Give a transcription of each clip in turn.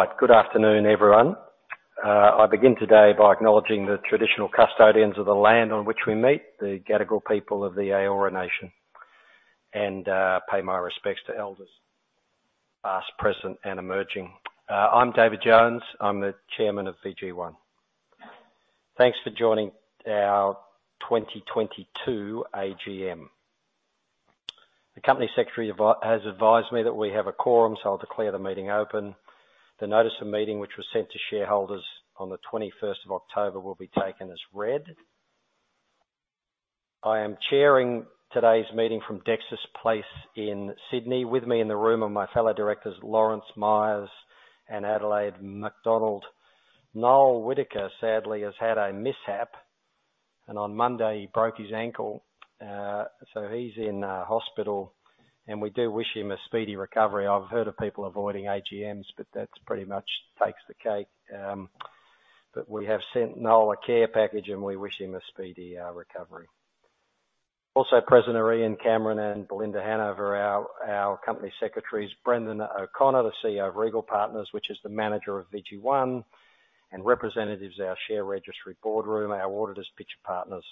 Right. Good afternoon, everyone. I begin today by acknowledging the traditional custodians of the land on which we meet, the Gadigal people of the Eora Nation, and pay my respects to elders, past, present, and emerging. I'm David Jones. I'm the Chairman of VG1. Thanks for joining our 2022 AGM. The Company Secretary has advised me that we have a quorum. I'll declare the meeting open. The notice of meeting, which was sent to shareholders on the 21st of October, will be taken as read. I am chairing today's meeting from Dexus Place in Sydney. With me in the room are my fellow directors, Lawrence Myers and Adelaide McDonald. Noel Whittaker, sadly, has had a mishap, and on Monday, he broke his ankle. He's in a hospital, and we do wish him a speedy recovery. I've heard of people avoiding AGMs, that's pretty much takes the cake. We have sent Noel a care package, and we wish him a speedy recovery. Also present are Ian Cameron and Belinda Hannover, our company secretaries. Brendan O'Connor, the CEO of Regal Partners, which is the manager of VG1, and representatives of our share registry Boardroom. Our auditors, Pitcher Partners,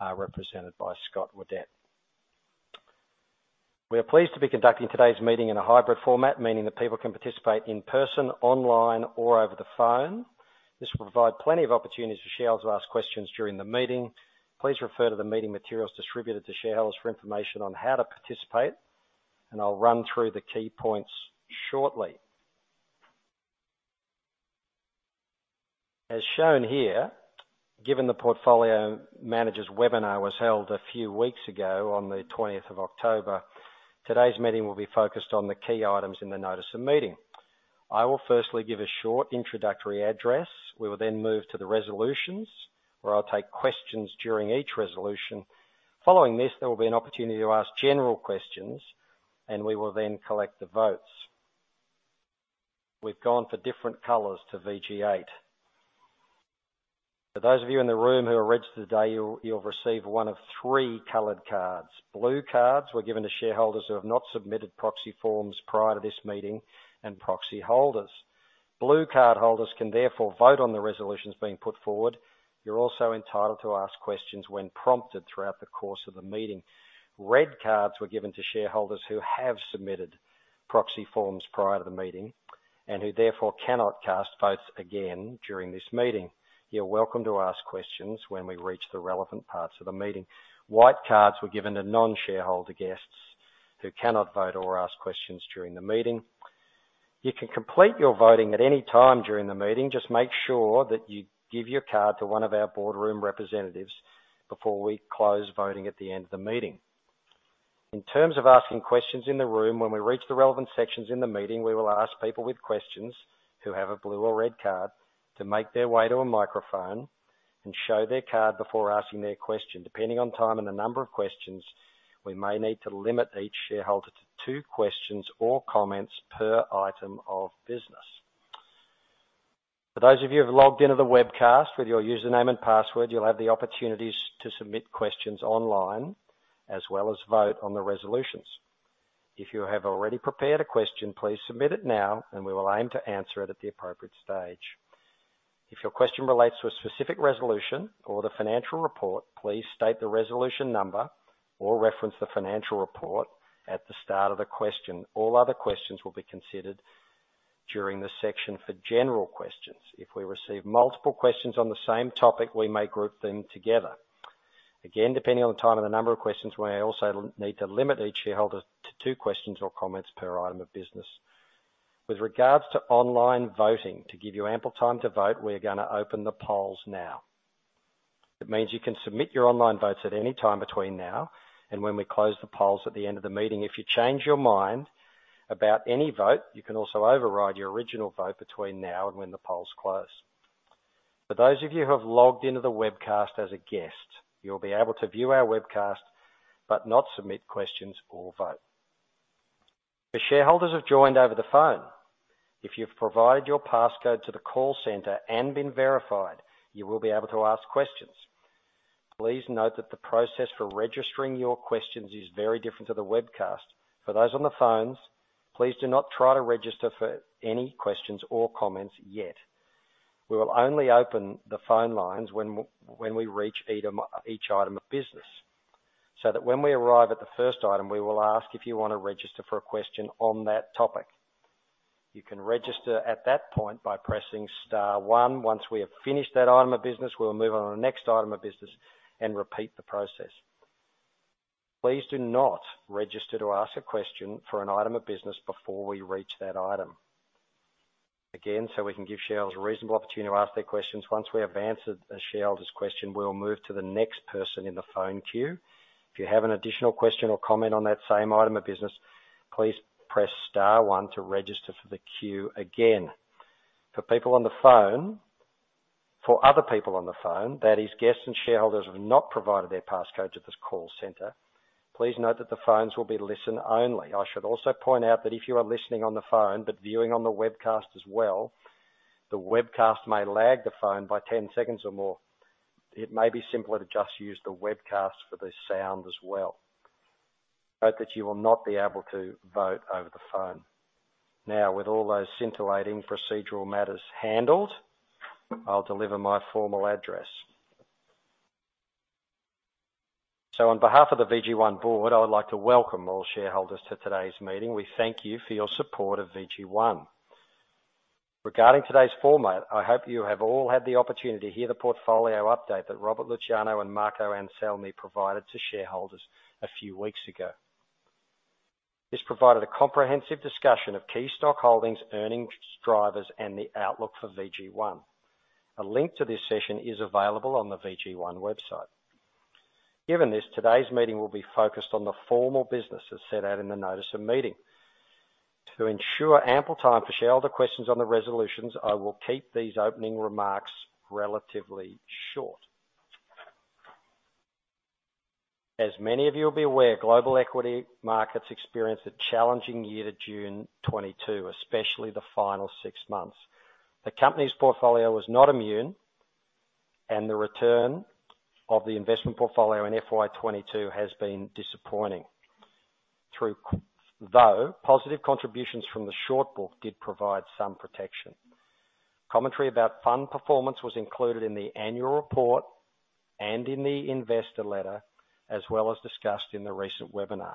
are represented by Scott Edden. We are pleased to be conducting today's meeting in a hybrid format, meaning that people can participate in person, online, or over the phone. This will provide plenty of opportunities for shareholders to ask questions during the meeting. Please refer to the meeting materials distributed to shareholders for information on how to participate, and I'll run through the key points shortly. As shown here, given the portfolio manager's webinar was held a few weeks ago on the 20th of October, today's meeting will be focused on the key items in the notice of meeting. I will firstly give a short introductory address. We will then move to the resolutions, where I'll take questions during each resolution. Following this, there will be an opportunity to ask general questions, and we will then collect the votes. We've gone for different colors to VG8. For those of you in the room who are registered today, you'll receive one of three colored cards. Blue cards were given to shareholders who have not submitted proxy forms prior to this meeting and proxy holders. Blue card holders can therefore vote on the resolutions being put forward. You're also entitled to ask questions when prompted throughout the course of the meeting. Red cards were given to shareholders who have submitted proxy forms prior to the meeting and who therefore cannot cast votes again during this meeting. You're welcome to ask questions when we reach the relevant parts of the meeting. White cards were given to non-shareholder guests who cannot vote or ask questions during the meeting. You can complete your voting at any time during the meeting. Just make sure that you give your card to one of our Boardroom representatives before we close voting at the end of the meeting. In terms of asking questions in the room, when we reach the relevant sections in the meeting, we will ask people with questions who have a blue or red card to make their way to a microphone and show their card before asking their question. Depending on time and the number of questions, we may need to limit each shareholder to two questions or comments per item of business. For those of you who have logged into the webcast with your username and password, you'll have the opportunities to submit questions online as well as vote on the resolutions. If you have already prepared a question, please submit it now, and we will aim to answer it at the appropriate stage. If your question relates to a specific resolution or the financial report, please state the resolution number or reference the financial report at the start of the question. All other questions will be considered during the section for general questions. If we receive multiple questions on the same topic, we may group them together. Again, depending on the time and the number of questions, we may also need to limit each shareholder to two questions or comments per item of business. With regards to online voting, to give you ample time to vote, we are gonna open the polls now. It means you can submit your online votes at any time between now and when we close the polls at the end of the meeting. If you change your mind about any vote, you can also override your original vote between now and when the polls close. For those of you who have logged into the webcast as a guest, you'll be able to view our webcast, but not submit questions or vote. The shareholders who have joined over the phone, if you've provided your passcode to the call center and been verified, you will be able to ask questions. Please note that the process for registering your questions is very different to the webcast. For those on the phones, please do not try to register for any questions or comments yet. We will only open the phone lines when we reach each item of business. When we arrive at the first item, we will ask if you wanna register for a question on that topic. You can register at that point by pressing star one. Once we have finished that item of business, we will move on to the next item of business and repeat the process. Please do not register to ask a question for an item of business before we reach that item. Again, we can give shareholders a reasonable opportunity to ask their questions, once we have answered a shareholder's question, we will move to the next person in the phone queue. If you have an additional question or comment on that same item of business, please press star one to register for the queue again. For other people on the phone, that is guests and shareholders who have not provided their passcode to this call center, please note that the phones will be listen only. I should also point out that if you are listening on the phone but viewing on the webcast as well, the webcast may lag the phone by 10 seconds or more. It may be simpler to just use the webcast for the sound as well. Note that you will not be able to vote over the phone. Now, with all those scintillating procedural matters handled, I'll deliver my formal address. On behalf of the VG1 board, I would like to welcome all shareholders to today's meeting. We thank you for your support of VG1. Regarding today's format, I hope you have all had the opportunity to hear the portfolio update that Robert Luciano and Marco Anselmi provided to shareholders a few weeks ago. This provided a comprehensive discussion of key stock holdings, earnings drivers, and the outlook for VG1. A link to this session is available on the VG1 website. Given this, today's meeting will be focused on the formal business as set out in the notice of meeting. To ensure ample time for shareholder questions on the resolutions, I will keep these opening remarks relatively short. As many of you will be aware, global equity markets experienced a challenging year to June 2022, especially the final six months. The company's portfolio was not immune, and the return of the investment portfolio in FY 2022 has been disappointing. Positive contributions from the short book did provide some protection. Commentary about fund performance was included in the annual report and in the investor letter, as well as discussed in the recent webinar.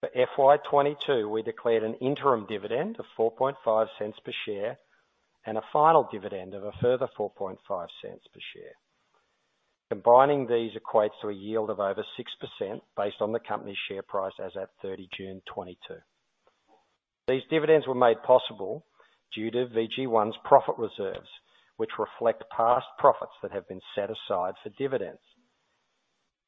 For FY 2022, we declared an interim dividend of 0.045 per share and a final dividend of a further 0.045 per share. Combining these equates to a yield of over 6% based on the company's share price as at June 30, 2022. These dividends were made possible due to VG1's profit reserves, which reflect past profits that have been set aside for dividends.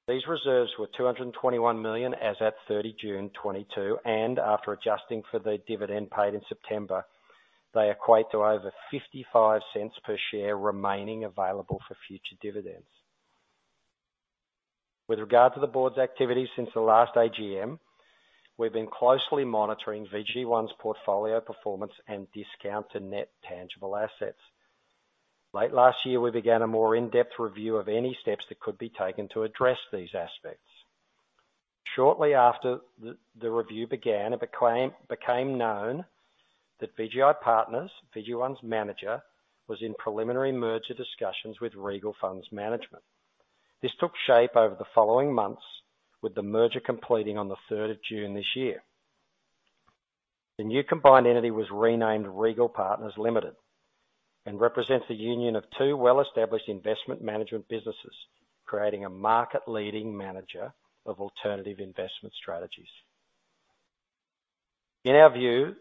These reserves were 221 million as at 30 June, 2022. After adjusting for the dividend paid in September, they equate to over 0.55 per share remaining available for future dividends. With regard to the board's activities since the last AGM, we've been closely monitoring VG1's portfolio performance and discount to net tangible assets. Late last year, we began a more in-depth review of any steps that could be taken to address these aspects. Shortly after the review began, it became known that VGI Partners, VG1's manager, was in preliminary merger discussions with Regal Funds Management. This took shape over the following months, with the merger completing on the 3rd of June this year. The new combined entity was renamed Regal Partners Limited and represents a union of two well-established investment management businesses, creating a market leading manager of alternative investment strategies. In our view,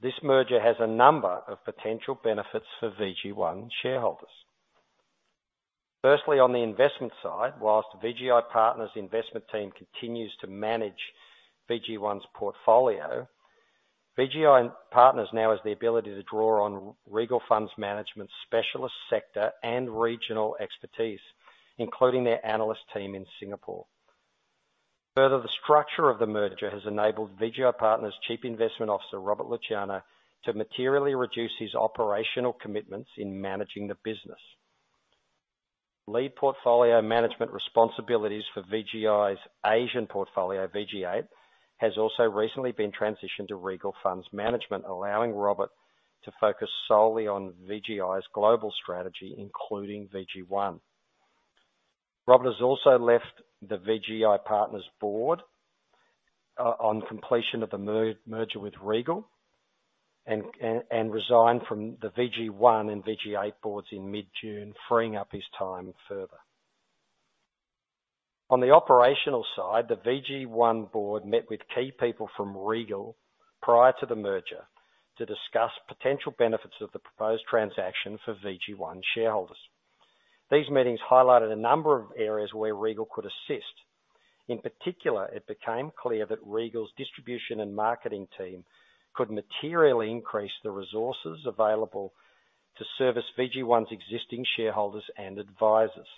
this merger has a number of potential benefits for VG1 shareholders. Firstly, on the investment side, whilst VGI Partners' investment team continues to manage VG1's portfolio, VGI Partners now has the ability to draw on Regal Funds Management specialist sector and regional expertise, including their analyst team in Singapore. Further, the structure of the merger has enabled VGI Partners' Chief Investment Officer, Robert Luciano, to materially reduce his operational commitments in managing the business. Lead portfolio management responsibilities for VGI's Asian portfolio, RG8, has also recently been transitioned to Regal Funds Management, allowing Robert to focus solely on VGI's global strategy, including VG1. Robert has also left the VGI Partners board on completion of the merger with Regal and resigned from the VG1 and RG8 boards in mid-June, freeing up his time further. On the operational side, the VG1 board met with key people from Regal prior to the merger to discuss potential benefits of the proposed transaction for VG1 shareholders. These meetings highlighted a number of areas where Regal could assist. In particular, it became clear that Regal's distribution and marketing team could materially increase the resources available to service VG1's existing shareholders and advisors.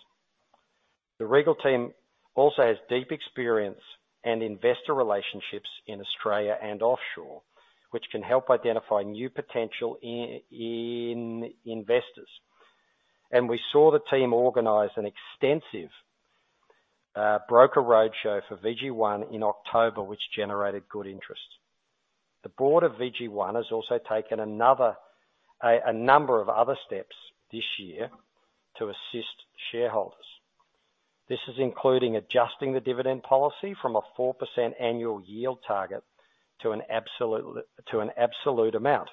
The Regal team also has deep experience and investor relationships in Australia and offshore, which can help identify new potential in investors. We saw the team organize an extensive broker roadshow for VG1 in October, which generated good interest. The board of VG1 has also taken a number of other steps this year to assist shareholders. This is including adjusting the dividend policy from a 4% annual yield target to an absolute amount.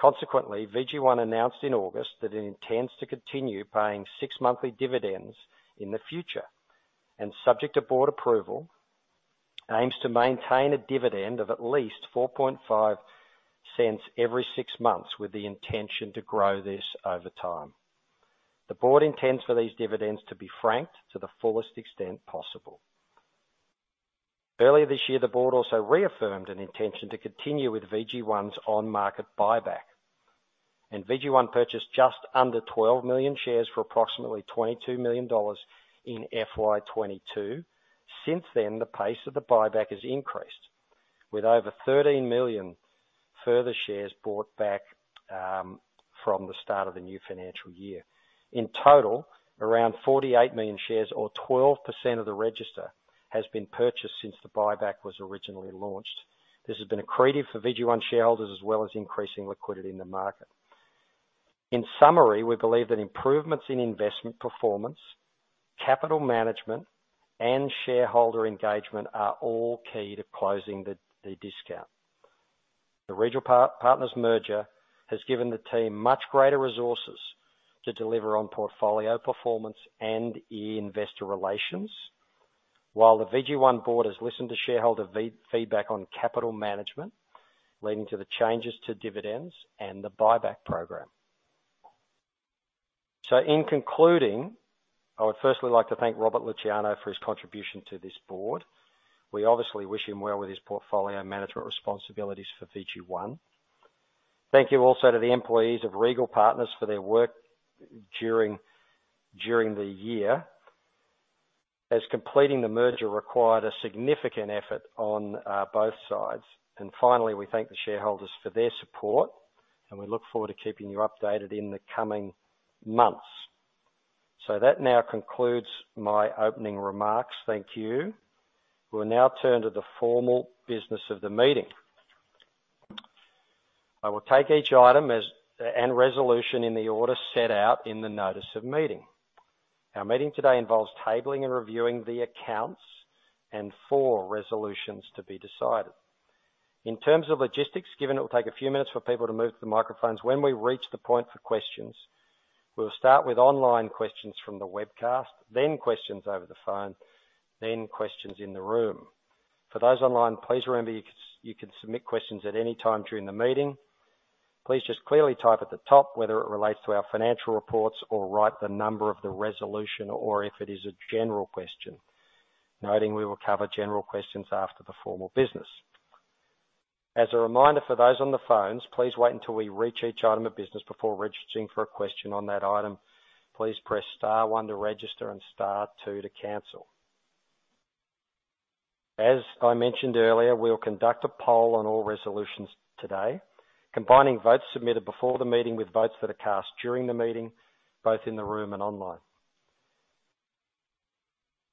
VG1 announced in August that it intends to continue paying six monthly dividends in the future and subject to board approval, aims to maintain a dividend of at least 0.045 every six months with the intention to grow this over time. The board intends for these dividends to be franked to the fullest extent possible. Earlier this year, the board also reaffirmed an intention to continue with VG1's on-market buyback, and VG1 purchased just under 12 million shares for approximately 22 million dollars in FY 2022. Since then, the pace of the buyback has increased. With over 13 million further shares bought back from the start of the new financial year. In total, around 48 million shares or 12% of the register has been purchased since the buyback was originally launched. This has been accretive for VG1 shareholders as well as increasing liquidity in the market. In summary, we believe that improvements in investment performance, capital management, and shareholder engagement are all key to closing the discount. The Regal Partners merger has given the team much greater resources to deliver on portfolio performance and investor relations. While the VG1 board has listened to shareholder feedback on capital management, leading to the changes to dividends and the buyback program. In concluding, I would firstly like to thank Robert Luciano for his contribution to this board. We obviously wish him well with his portfolio management responsibilities for VG1. Thank you also to the employees of Regal Partners for their work during the year, as completing the merger required a significant effort on both sides. Finally, we thank the shareholders for their support, and we look forward to keeping you updated in the coming months. That now concludes my opening remarks. Thank you. We'll now turn to the formal business of the meeting. I will take each item and resolution in the order set out in the notice of meeting. Our meeting today involves tabling and reviewing the accounts and four resolutions to be decided. In terms of logistics, given it will take a few minutes for people to move to the microphones, when we reach the point for questions, we'll start with online questions from the webcast, then questions over the phone, then questions in the room. For those online, please remember you can submit questions at any time during the meeting. Please just clearly type at the top, whether it relates to our financial reports, or write the number of the resolution or if it is a general question. Noting we will cover general questions after the formal business. As a reminder for those on the phones, please wait until we reach each item of business before registering for a question on that item. Please press star one to register and star two to cancel. As I mentioned earlier, we'll conduct a poll on all resolutions today. Combining votes submitted before the meeting with votes that are cast during the meeting, both in the room and online.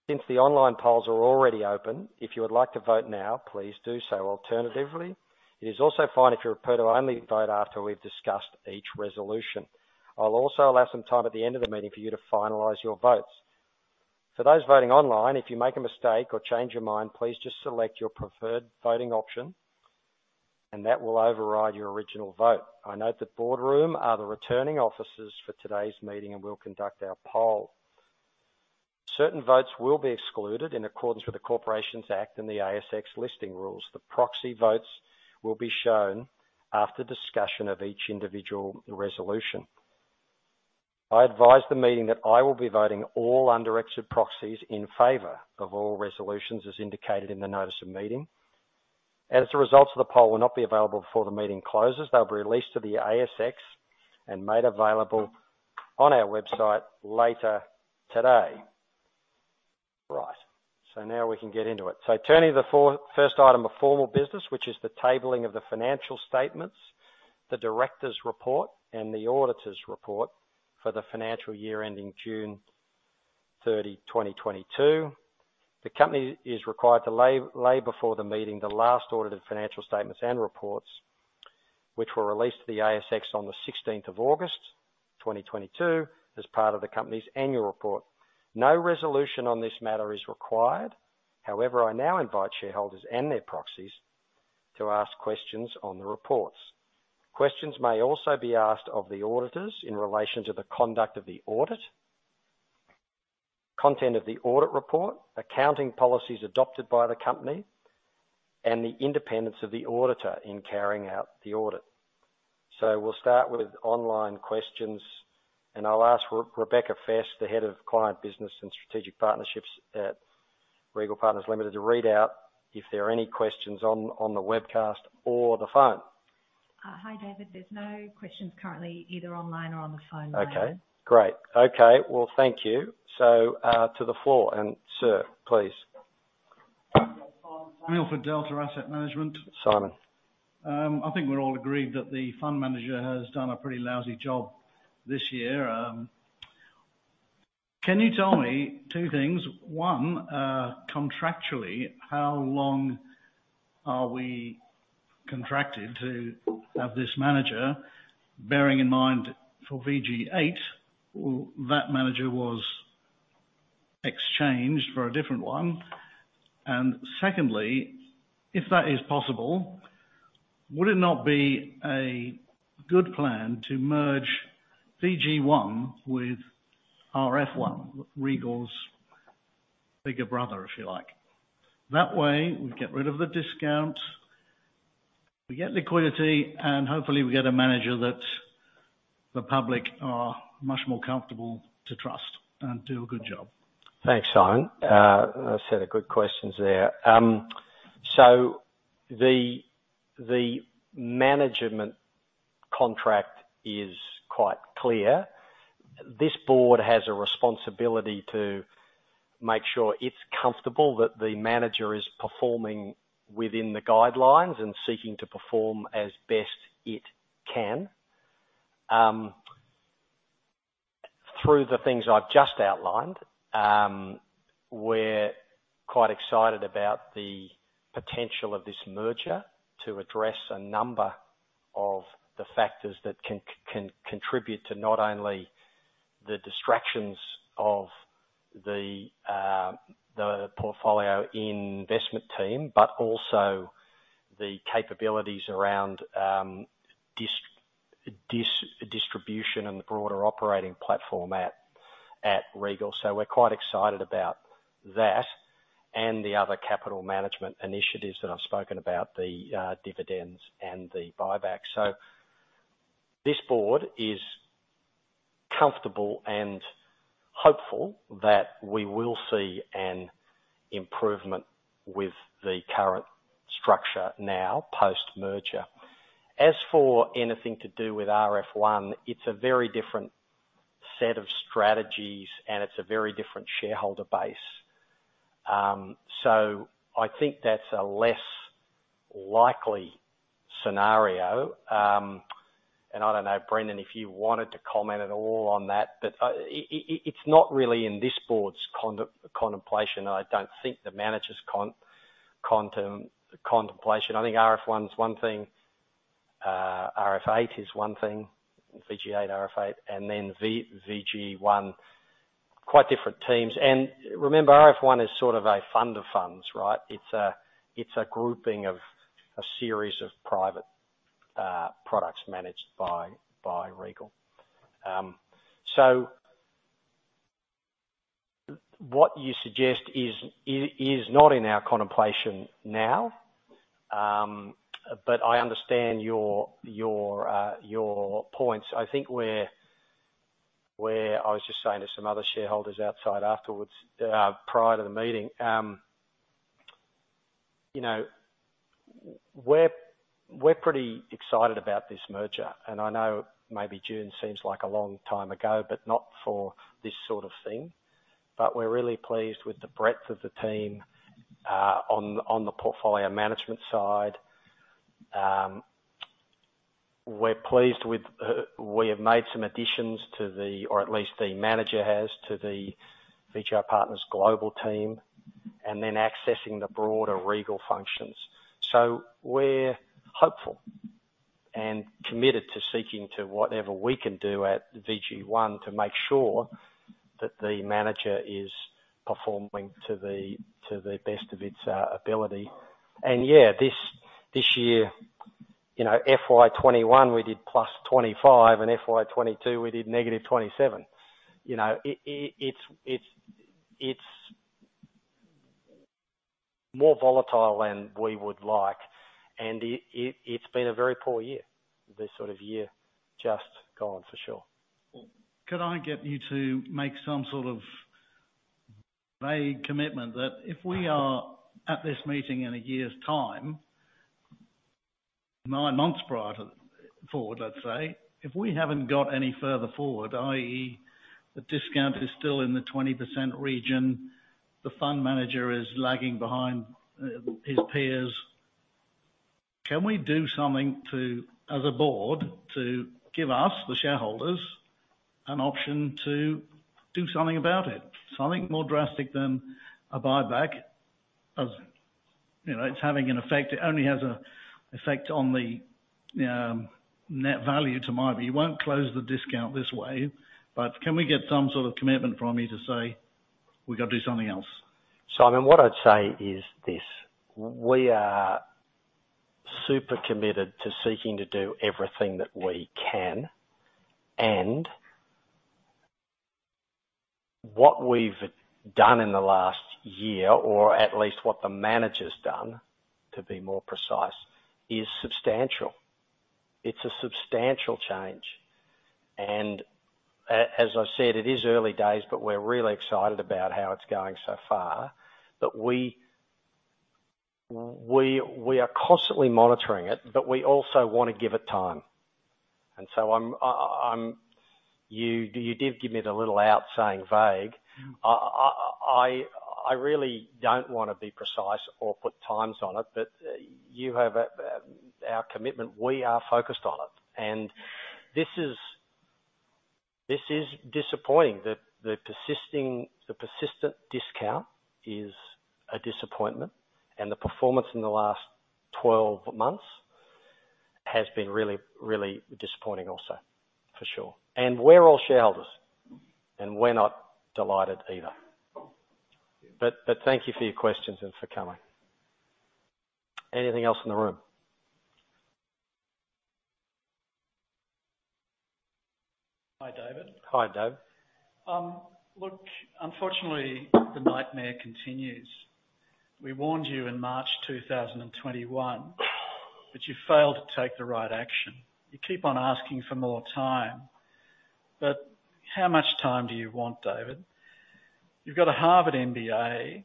Since the online polls are already open, if you would like to vote now, please do so. Alternatively, it is also fine if you prefer to only vote after we've discussed each resolution. I'll also allow some time at the end of the meeting for you to finalize your votes. For those voting online, if you make a mistake or change your mind, please just select your preferred voting option, and that will override your original vote. I note that boardroom are the returning officers for today's meeting and will conduct our poll. Certain votes will be excluded in accordance with the Corporations Act and the ASX Listing Rules. The proxy votes will be shown after discussion of each individual resolution. I advise the meeting that I will be voting all undirected proxies in favor of all resolutions as indicated in the notice of meeting. As the results of the poll will not be available before the meeting closes, they'll be released to the ASX and made available on our website later today. Right. Now we can get into it. Turning to the first item of formal business, which is the tabling of the financial statements, the director's report and the auditor's report for the financial year ending June 30, 2022. The company is required to lay before the meeting the last audited financial statements and reports which were released to the ASX on the 16th of August 2022 as part of the company's annual report. No resolution on this matter is required. However, I now invite shareholders and their proxies to ask questions on the reports. Questions may also be asked of the auditors in relation to the conduct of the audit, content of the audit report, accounting policies adopted by the company, and the independence of the auditor in carrying out the audit. We'll start with online questions, and I'll ask Rebecca Fesq, the Head of Client Business and Strategic Partnerships at Regal Partners Limited, to read out if there are any questions on the webcast or the phone. Hi, David. There's no questions currently either online or on the phone now. Okay, great. Okay. Well, thank you. to the floor. sir, please. Simon Datt Asset Management. Simon. I think we're all agreed that the fund manager has done a pretty lousy job this year. Can you tell me two things? One, contractually, how long are we contracted to have this manager? Bearing in mind for VG8, that manager was exchanged for a different one. Secondly, if that is possible, would it not be a good plan to merge VG1 with RF1, Regal's bigger brother, if you like? That way, we get rid of the discount, we get liquidity, and hopefully we get a manager that the public are much more comfortable to trust and do a good job. Thanks, Simon. A set of good questions there. The management contract is quite clear. This board has a responsibility to make sure it's comfortable that the manager is performing within the guidelines and seeking to perform as best it can. Through the things I've just outlined, we're quite excited about the potential of this merger to address a number of the factors that can contribute to not only the distractions of the portfolio investment team, but also the capabilities around distribution and the broader operating platform at Regal. We're quite excited about that and the other capital management initiatives that I've spoken about, the dividends and the buyback. This board is comfortable and hopeful that we will see an improvement with the current structure now, post-merger. As for anything to do with RF1, it's a very different set of strategies, and it's a very different shareholder base. I think that's a less likely scenario. I don't know, Brendan, if you wanted to comment at all on that, but it's not really in this board's contemplation. I don't think the manager's contemplation. I think RF1's one thing, RG8 is one thing, VG8, RG8, and then VG1, quite different teams. Remember, RF1 is sort of a fund of funds, right? It's a grouping of a series of private products managed by Regal. What you suggest is not in our contemplation now, but I understand your points. I think where I was just saying to some other shareholders outside afterwards, prior to the meeting, you know, we're pretty excited about this merger. I know maybe June seems like a long time ago, but not for this sort of thing. We're really pleased with the breadth of the team on the portfolio management side. We're pleased with, we have made some additions to the or at least the manager has to the VGI Partners Global team and then accessing the broader Regal functions. So we're hopeful and committed to seeking to whatever we can do at VG1 to make sure that the manager is performing to the best of its ability. Yeah, this year, you know, FY 21, we did +25%, and FY 22, we did -27%. You know, it's more volatile than we would like. It's been a very poor year, this sort of year, just gone for sure. Could I get you to make some sort of vague commitment that if we are at this meeting in a year's time, nine months prior to forward, let's say, if we haven't got any further forward, i.e., the discount is still in the 20% region, the fund manager is lagging behind his peers. Can we do something to, as a board, to give us, the shareholders, an option to do something about it? Something more drastic than a buyback. As you know, it's having an effect. It only has a effect on the net value, to my view. You won't close the discount this way, but can we get some sort of commitment from you to say, we gotta do something else? Simon, what I'd say is this: we are super committed to seeking to do everything that we can. What we've done in the last year, or at least what the manager's done, to be more precise, is substantial. It's a substantial change. As I've said, it is early days, but we're really excited about how it's going so far. We are constantly monitoring it, but we also wanna give it time. I'm... You did give me the little out saying vague. I really don't wanna be precise or put times on it, but you have our commitment. We are focused on it. This is disappointing. The persistent discount is a disappointment, and the performance in the last 12 months has been really disappointing also, for sure. We're all shareholders, and we're not delighted either. Thank you for your questions and for coming. Anything else in the room? Hi, David. Hi, David. Look, unfortunately, the nightmare continues. We warned you in March 2021, you failed to take the right action. You keep on asking for more time. How much time do you want, David Jones? You've got a Harvard MBA.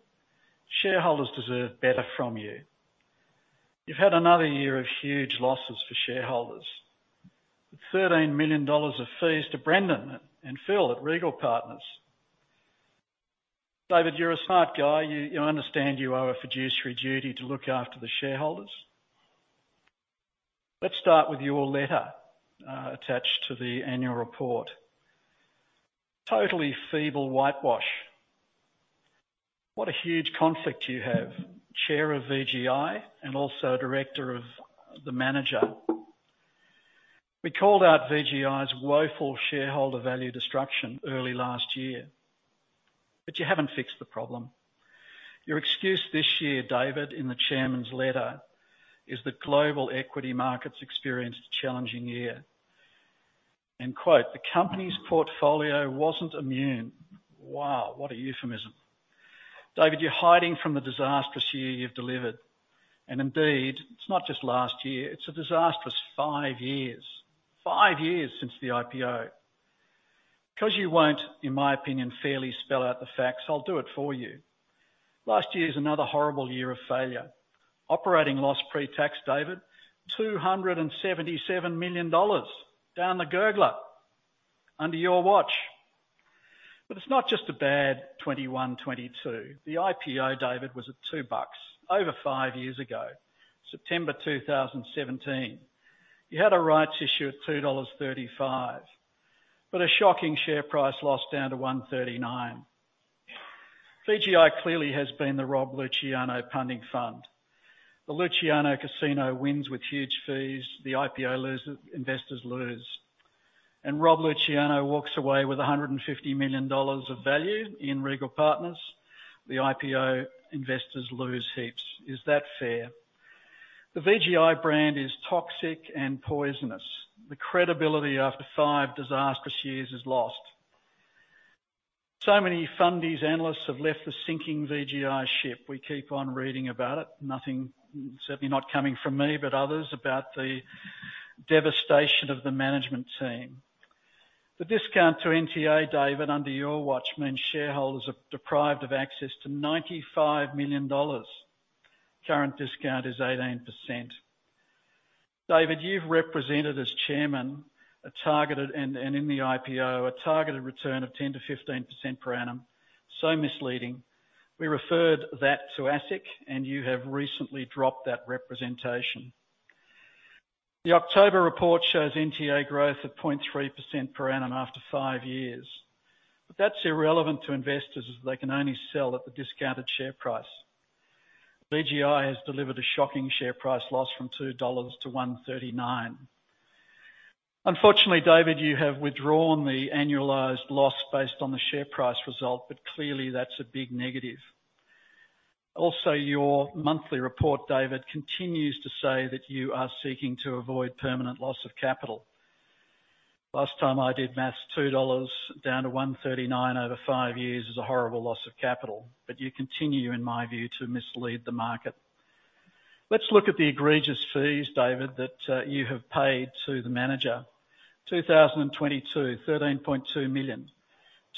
Shareholders deserve better from you. You've had another year of huge losses for shareholders. 13 million dollars of fees to Brendan O'Connor and Phil King at Regal Partners. David Jones, you're a smart guy. You understand you owe a fiduciary duty to look after the shareholders. Let's start with your letter attached to the annual report. Totally feeble whitewash. What a huge conflict you have. Chairman of VGI Partners and also Director of the manager. We called out VGI Partners' woeful shareholder value destruction early last year, you haven't fixed the problem. Your excuse this year, David Jones, in the Chairman's letter, is that global equity markets experienced a challenging year. Quote, "The Company's portfolio wasn't immune." Wow, what a euphemism. David, you're hiding from the disastrous year you've delivered. Indeed, it's not just last year, it's a disastrous five years. five years since the IPO. You won't, in my opinion, fairly spell out the facts, I'll do it for you. Last year's another horrible year of failure. Operating loss pre-tax, David, 277 million dollars down the gurgler under your watch. It's not just a bad 2021, 2022. The IPO, David, was at 2 bucks over five years ago, September 2017. You had a rights issue at 2.35 dollars, but a shocking share price loss down to 1.39. VGI clearly has been the Rob Luciano Punting Fund. The Luciano Casino wins with huge fees, the IPO loses, investors lose. Rob Luciano walks away with 150 million dollars of value in Regal Partners. The IPO investors lose heaps. Is that fair? The VGI brand is toxic and poisonous. The credibility after five disastrous years is lost. Many fundies analysts have left the sinking VGI ship. We keep on reading about it. Nothing, certainly not coming from me, but others about the devastation of the management team. The discount to NTA, David, under your watch, means shareholders are deprived of access to 95 million dollars. Current discount is 18%. David, you've represented as chairman a targeted and in the IPO, a targeted return of 10%-15% per annum. Misleading. We referred that to ASIC. You have recently dropped that representation. The October report shows NTA growth of 0.3% per annum after five years. That's irrelevant to investors as they can only sell at the discounted share price. VGI has delivered a shocking share price loss from 2-1.39 dollars. Unfortunately, David Jones, you have withdrawn the annualized loss based on the share price result, but clearly that's a big negative. Your monthly report, David Jones, continues to say that you are seeking to avoid permanent loss of capital. Last time I did math, 2 dollars down to 1.39 over five years is a horrible loss of capital, but you continue, in my view, to mislead the market. Let's look at the egregious fees, David Jones, that you have paid to the manager. 2022, 13.2 million.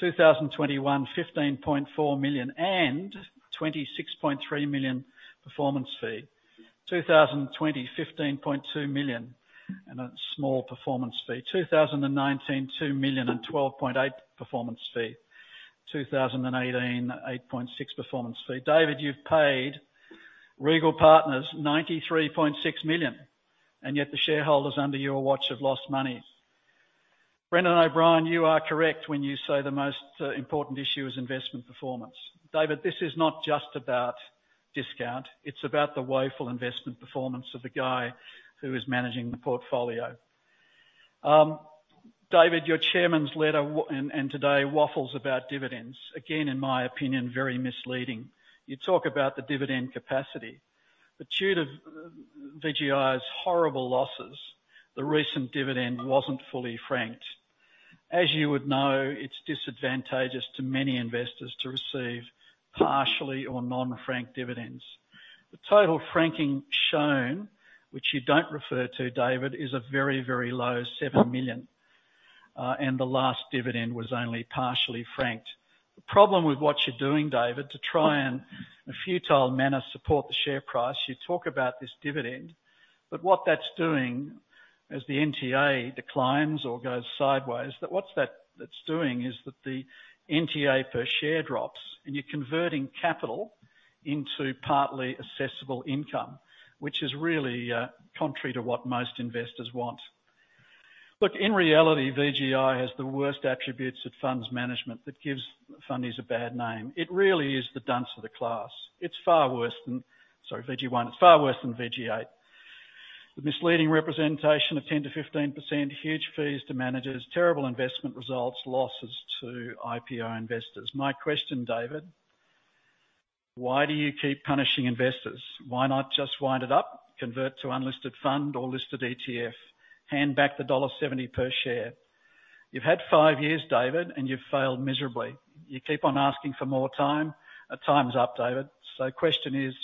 2021, 15.4 million and 26.3 million performance fee. 2020, 15.2 million and a small performance fee. 2019, 2,012,800 performance fee. 2018, 8.6 performance fee. David Jones, you've paid Regal Partners 93.6 million, yet the shareholders under your watch have lost money. Brendan O'Brien, you are correct when you say the most important issue is investment performance. David Jones, this is not just about discount, it's about the woeful investment performance of the guy who is managing the portfolio. David Jones, your chairman's letter and today waffles about dividends. Again, in my opinion, very misleading. You talk about the dividend capacity. Due to VGI Partners' horrible losses, the recent dividend wasn't fully franked. As you would know, it's disadvantageous to many investors to receive partially or non-franked dividends. The total franking shown, which you don't refer to, David, is a very, very low 7 million, and the last dividend was only partially franked. The problem with what you're doing, David, to try and in a futile manner, support the share price, you talk about this dividend, but what that's doing as the NTA declines or goes sideways, what that's doing is that the NTA per share drops, and you're converting capital into partly assessable income, which is really contrary to what most investors want. In reality, VGI has the worst attributes at funds management that gives fundies a bad name. It really is the dunce of the class. It's far worse than Sorry, VG1. It's far worse than VG8. The misleading representation of 10%-15%, huge fees to managers, terrible investment results, losses to IPO investors. My question, David, why do you keep punishing investors? Why not just wind it up, convert to unlisted fund or listed ETF? Hand back the dollar 1.70 per share. You've had five years, David, and you've failed miserably. You keep on asking for more time. Time's up, David. Question is,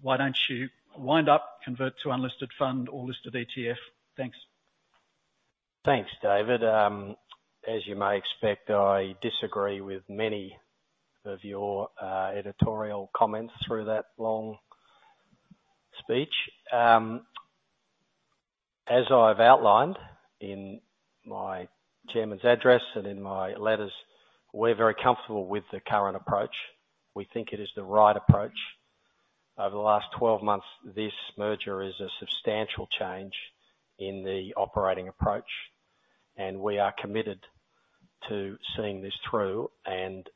why don't you wind up, convert to unlisted fund or listed ETF? Thanks. Thanks, David. As you may expect, I disagree with many of your editorial comments through that long speech. As I've outlined in my chairman's address and in my letters, we're very comfortable with the current approach. We think it is the right approach. Over the last 12 months, this merger is a substantial change in the operating approach, and we are committed to seeing this through and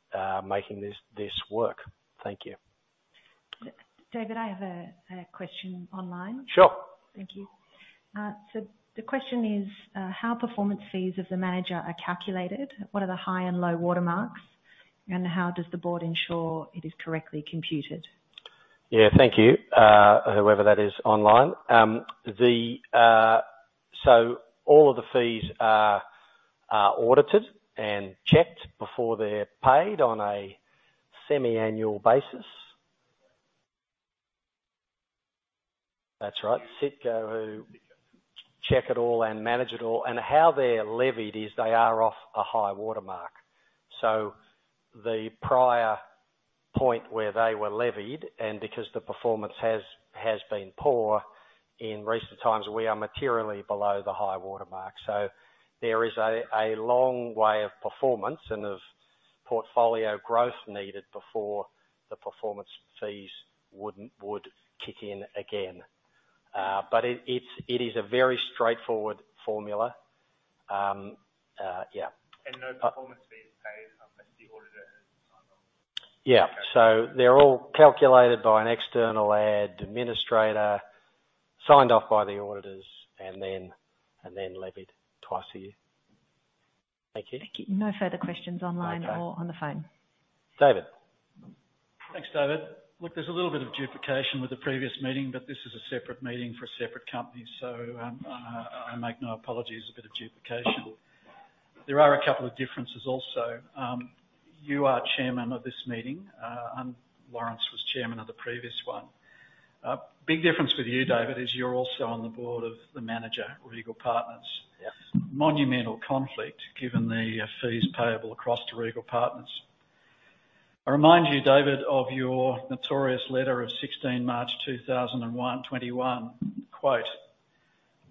making this work. Thank you. David, I have a question online. Sure. Thank you. The question is, how performance fees of the manager are calculated, what are the high and low watermarks, and how does the board ensure it is correctly computed? Yeah, thank you, whoever that is online. The fees are audited and checked before they're paid on a semi-annual basis. That's right. Citco, who check it all and manage it all. How they're levied is they are off a high watermark. The prior point where they were levied. Because the performance has been poor in recent times, we are materially below the high watermark. There is a long way of performance and of portfolio growth needed before the performance fees would kick in again. It is a very straightforward formula. Yeah. No performance fees paid unless the auditor has signed off. Yeah. Okay. They're all calculated by an external ad administrator, signed off by the auditors and then levied twice a year. Thank you. Thank you. No further questions online. Okay. On the phone. David. Thanks, David. There's a little bit of duplication with the previous meeting, this is a separate meeting for a separate company, I make no apologies for the duplication. There are a couple of differences also. You are chairman of this meeting. Lawrence was chairman of the previous one. A big difference with you, David, is you're also on the board of the manager, Regal Partners. Yes. Monumental conflict given the fees payable across to Regal Partners. I remind you, David, of your notorious letter of 16 March 2021. Quote,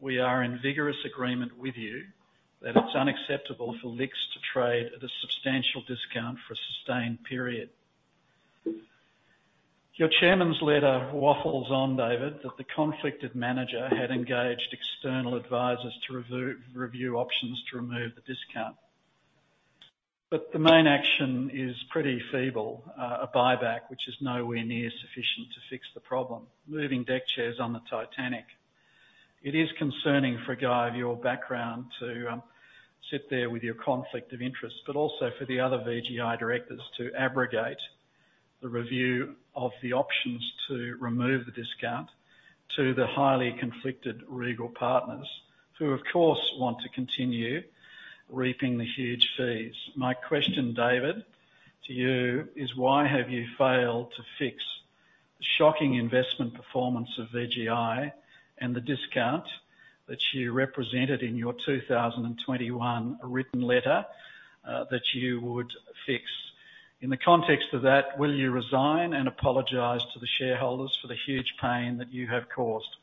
"We are in vigorous agreement with you that it's unacceptable for LICS to trade at a substantial discount for a sustained period." Your chairman's letter waffles on, David, that the conflicted manager had engaged external advisors to review options to remove the discount. The main action is pretty feeble, a buyback which is nowhere near sufficient to fix the problem. Moving deck chairs on the Titanic. It is concerning for a guy of your background to sit there with your conflict of interest, but also for the other VGI directors to abrogate the review of the options to remove the discount to the highly conflicted Regal Partners, who of course, want to continue reaping the huge fees. My question, David, to you is why have you failed to fix the shocking investment performance of VGI and the discount that you represented in your 2021 written letter that you would fix? In the context of that, will you resign and apologize to the shareholders for the huge pain that you have caused?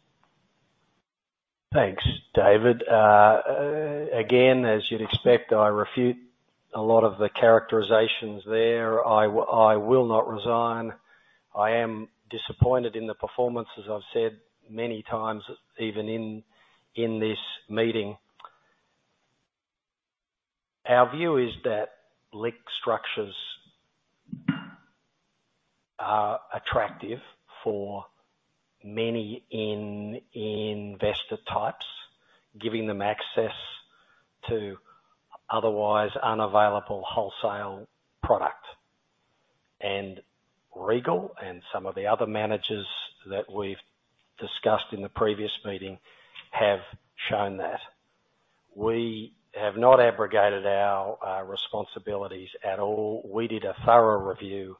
Thanks, David. Again, as you'd expect, I refute a lot of the characterizations there. I will not resign. I am disappointed in the performance, as I've said many times, even in this meeting. Our view is that LIC structures are attractive for many investor types, giving them access to otherwise unavailable wholesale product. Regal and some of the other managers that we've discussed in the previous meeting have shown that. We have not abrogated our responsibilities at all. We did a thorough review,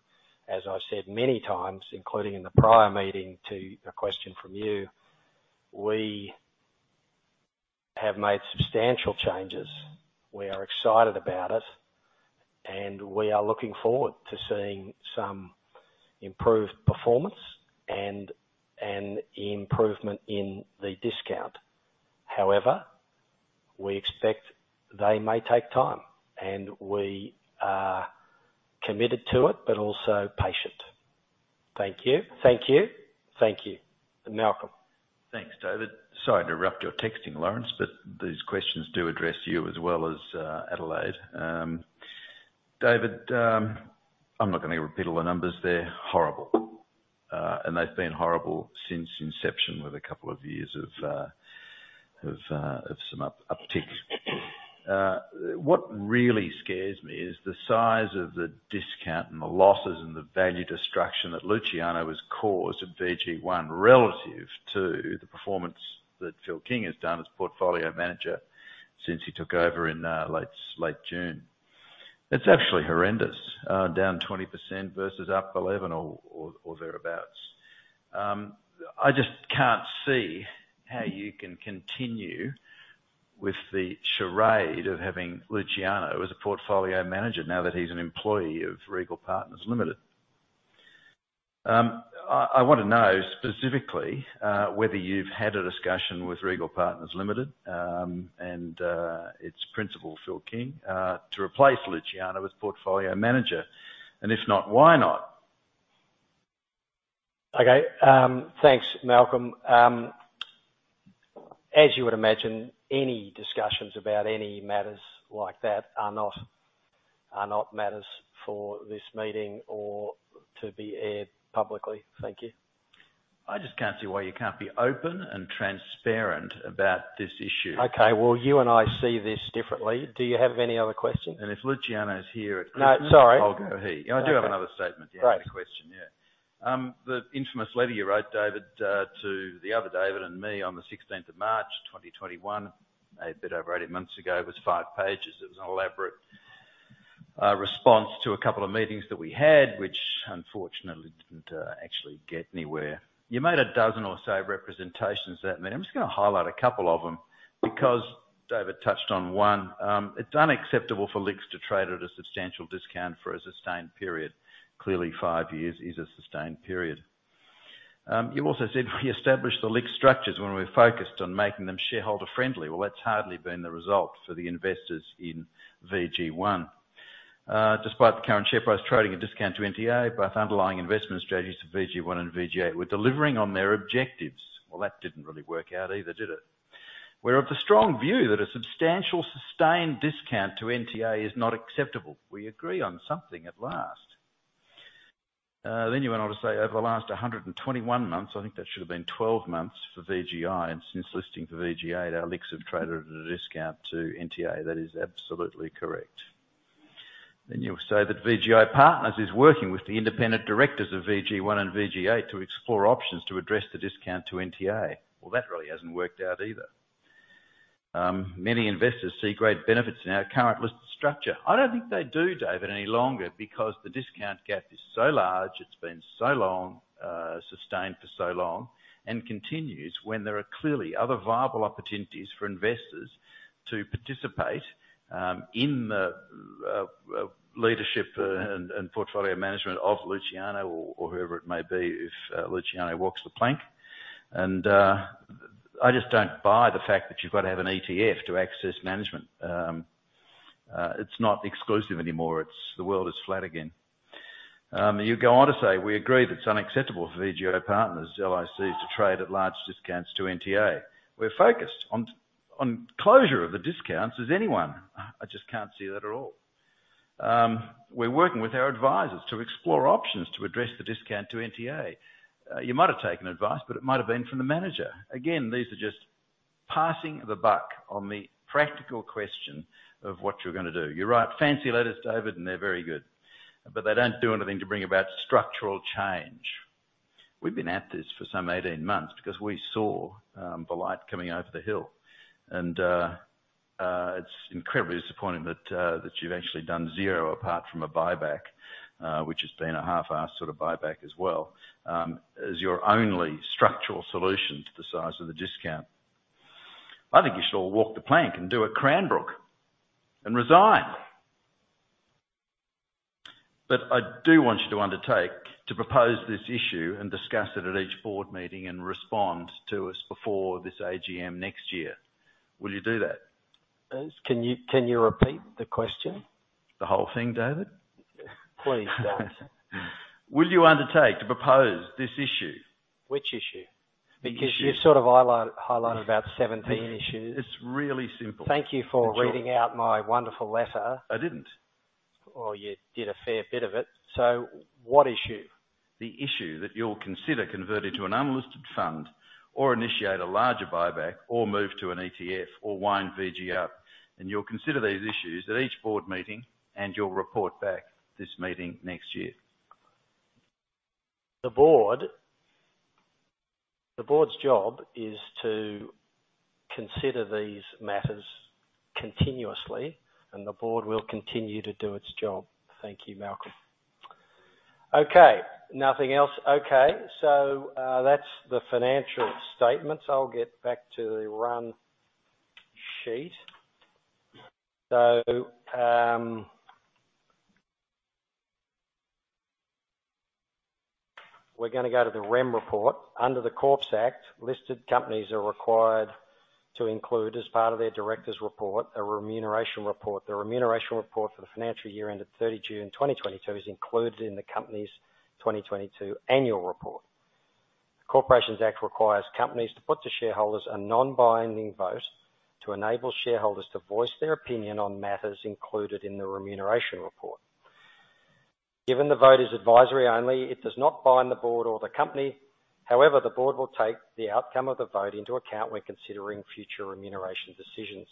as I've said many times, including in the prior meeting, to a question from you. We have made substantial changes. We are excited about it, and we are looking forward to seeing some improved performance and an improvement in the discount. We expect they may take time, and we are committed to it, but also patient. Thank you. Thank you. Thank you. Malcolm. Thanks, David. Sorry to interrupt your texting, Lawrence, these questions do address you as well as Adelaide. David, I'm not gonna repeat all the numbers. They're horrible, they've been horrible since inception with a couple of years of some upticks. What really scares me is the size of the discount and the losses and the value destruction that Luciano has caused at VG1 relative to the performance that Phil King has done as portfolio manager since he took over in late June. It's actually horrendous, down 20% versus up 11 or thereabouts. I just can't see how you can continue with the charade of having Luciano as a portfolio manager now that he's an employee of Regal Partners Limited. I wanna know specifically, whether you've had a discussion with Regal Partners Limited, and its principal, Phil King, to replace Luciano as portfolio manager. If not, why not? Okay. Thanks, Malcolm. As you would imagine, any discussions about any matters like that are not, are not matters for this meeting or to be aired publicly. Thank you. I just can't see why you can't be open and transparent about this issue. Okay. Well, you and I see this differently. Do you have any other questions? if Luciano is here at Christmas. No, sorry. I'll go he. I do have another statement. Great. Another question. The infamous letter you wrote, David, to the other David and me on the 16th of March, 2021, a bit over 18 months ago, was five pages. It was an elaborate response to a couple of meetings that we had, which unfortunately didn't actually get anywhere. You made a dozen or so representations at that meeting. I'm just going to highlight a couple of them because David touched on one. It's unacceptable for LICs to trade at a substantial discount for a sustained period. Clearly, five years is a sustained period. You also said, "We established the LIC structures when we were focused on making them shareholder-friendly." Well, that's hardly been the result for the investors in VG1. Despite the current share price trading a discount to NTA, both underlying investment strategies of VG1 and VGA were delivering on their objectives. That didn't really work out either, did it? We're of the strong view that a substantial sustained discount to NTA is not acceptable. We agree on something at last. You went on to say, "Over the last 121 months," I think that should have been 12 months for VGI, "and since listing for VGA, our LICS have traded at a discount to NTA." That is absolutely correct. You'll say that, "VGI Partners is working with the independent directors of VG1 and VGA to explore options to address the discount to NTA." That really hasn't worked out either. Many investors see great benefits in our current listed structure. I don't think they do, David, any longer because the discount gap is so large, it's been so long, sustained for so long, and continues when there are clearly other viable opportunities for investors to participate in the leadership and portfolio management of Luciano or whoever it may be if Luciano walks the plank. I just don't buy the fact that you've got to have an ETF to access management. It's not exclusive anymore. It's. The world is flat again. You go on to say, "We agree that it's unacceptable for VGI Partners, LLC to trade at large discounts to NTA. We're focused on closure of the discounts as anyone." I just can't see that at all. We're working with our advisors to explore options to address the discount to NTA." You might have taken advice, but it might have been from the manager. Again, these are just passing the buck on the practical question of what you're gonna do. You write fancy letters, David, and they're very good, but they don't do anything to bring about structural change. We've been at this for some 18 months because we saw the light coming over the hill. It's incredibly disappointing that you've actually done 0 apart from a buyback, which has been a half-assed sort of buyback as well, as your only structural solution to the size of the discount. I think you should all walk the plank and do a Cranbrook and resign. I do want you to undertake to propose this issue and discuss it at each board meeting and respond to us before this AGM next year. Will you do that? Can you repeat the question? The whole thing, David? Please don't. Will you undertake to propose this issue? Which issue? The issue. Because you sort of highlighted about 17 issues. It's really simple. Thank you for reading out my wonderful letter. I didn't. Well, you did a fair bit of it. What issue? The issue that you'll consider converting to an unlisted fund or initiate a larger buyback or move to an ETF or wind VG up. You'll consider these issues at each board meeting. You'll report back this meeting next year. The board's job is to consider these matters continuously, and the board will continue to do its job. Thank you, Malcolm. Okay. Nothing else. Okay. That's the financial statements. I'll get back to the run sheet. We're gonna go to the Rem report. Under the Corps Act, listed companies are required to include as part of their directors' report, a remuneration report. The remuneration report for the financial year ended 30 June 2022 is included in the company's 2022 annual report. The Corporations Act requires companies to put to shareholders a non-binding vote to enable shareholders to voice their opinion on matters included in the remuneration report. Given the vote is advisory only, it does not bind the board or the company. However, the board will take the outcome of the vote into account when considering future remuneration decisions.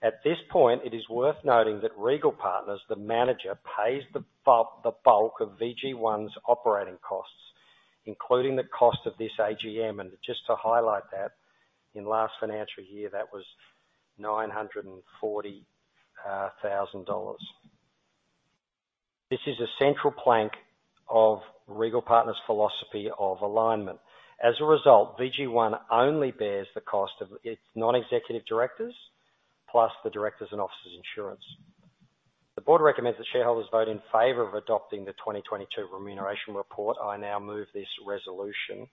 At this point, it is worth noting that Regal Partners, the manager, pays the bulk of VG1's operating costs, including the cost of this AGM. Just to highlight that, in last financial year, that was 940,000 dollars. This is a central plank of Regal Partners' philosophy of alignment. As a result, VG1 only bears the cost of its non-executive directors, plus the directors' and officers' insurance. The board recommends that shareholders vote in favor of adopting the 2022 Remuneration Report. I now move this resolution.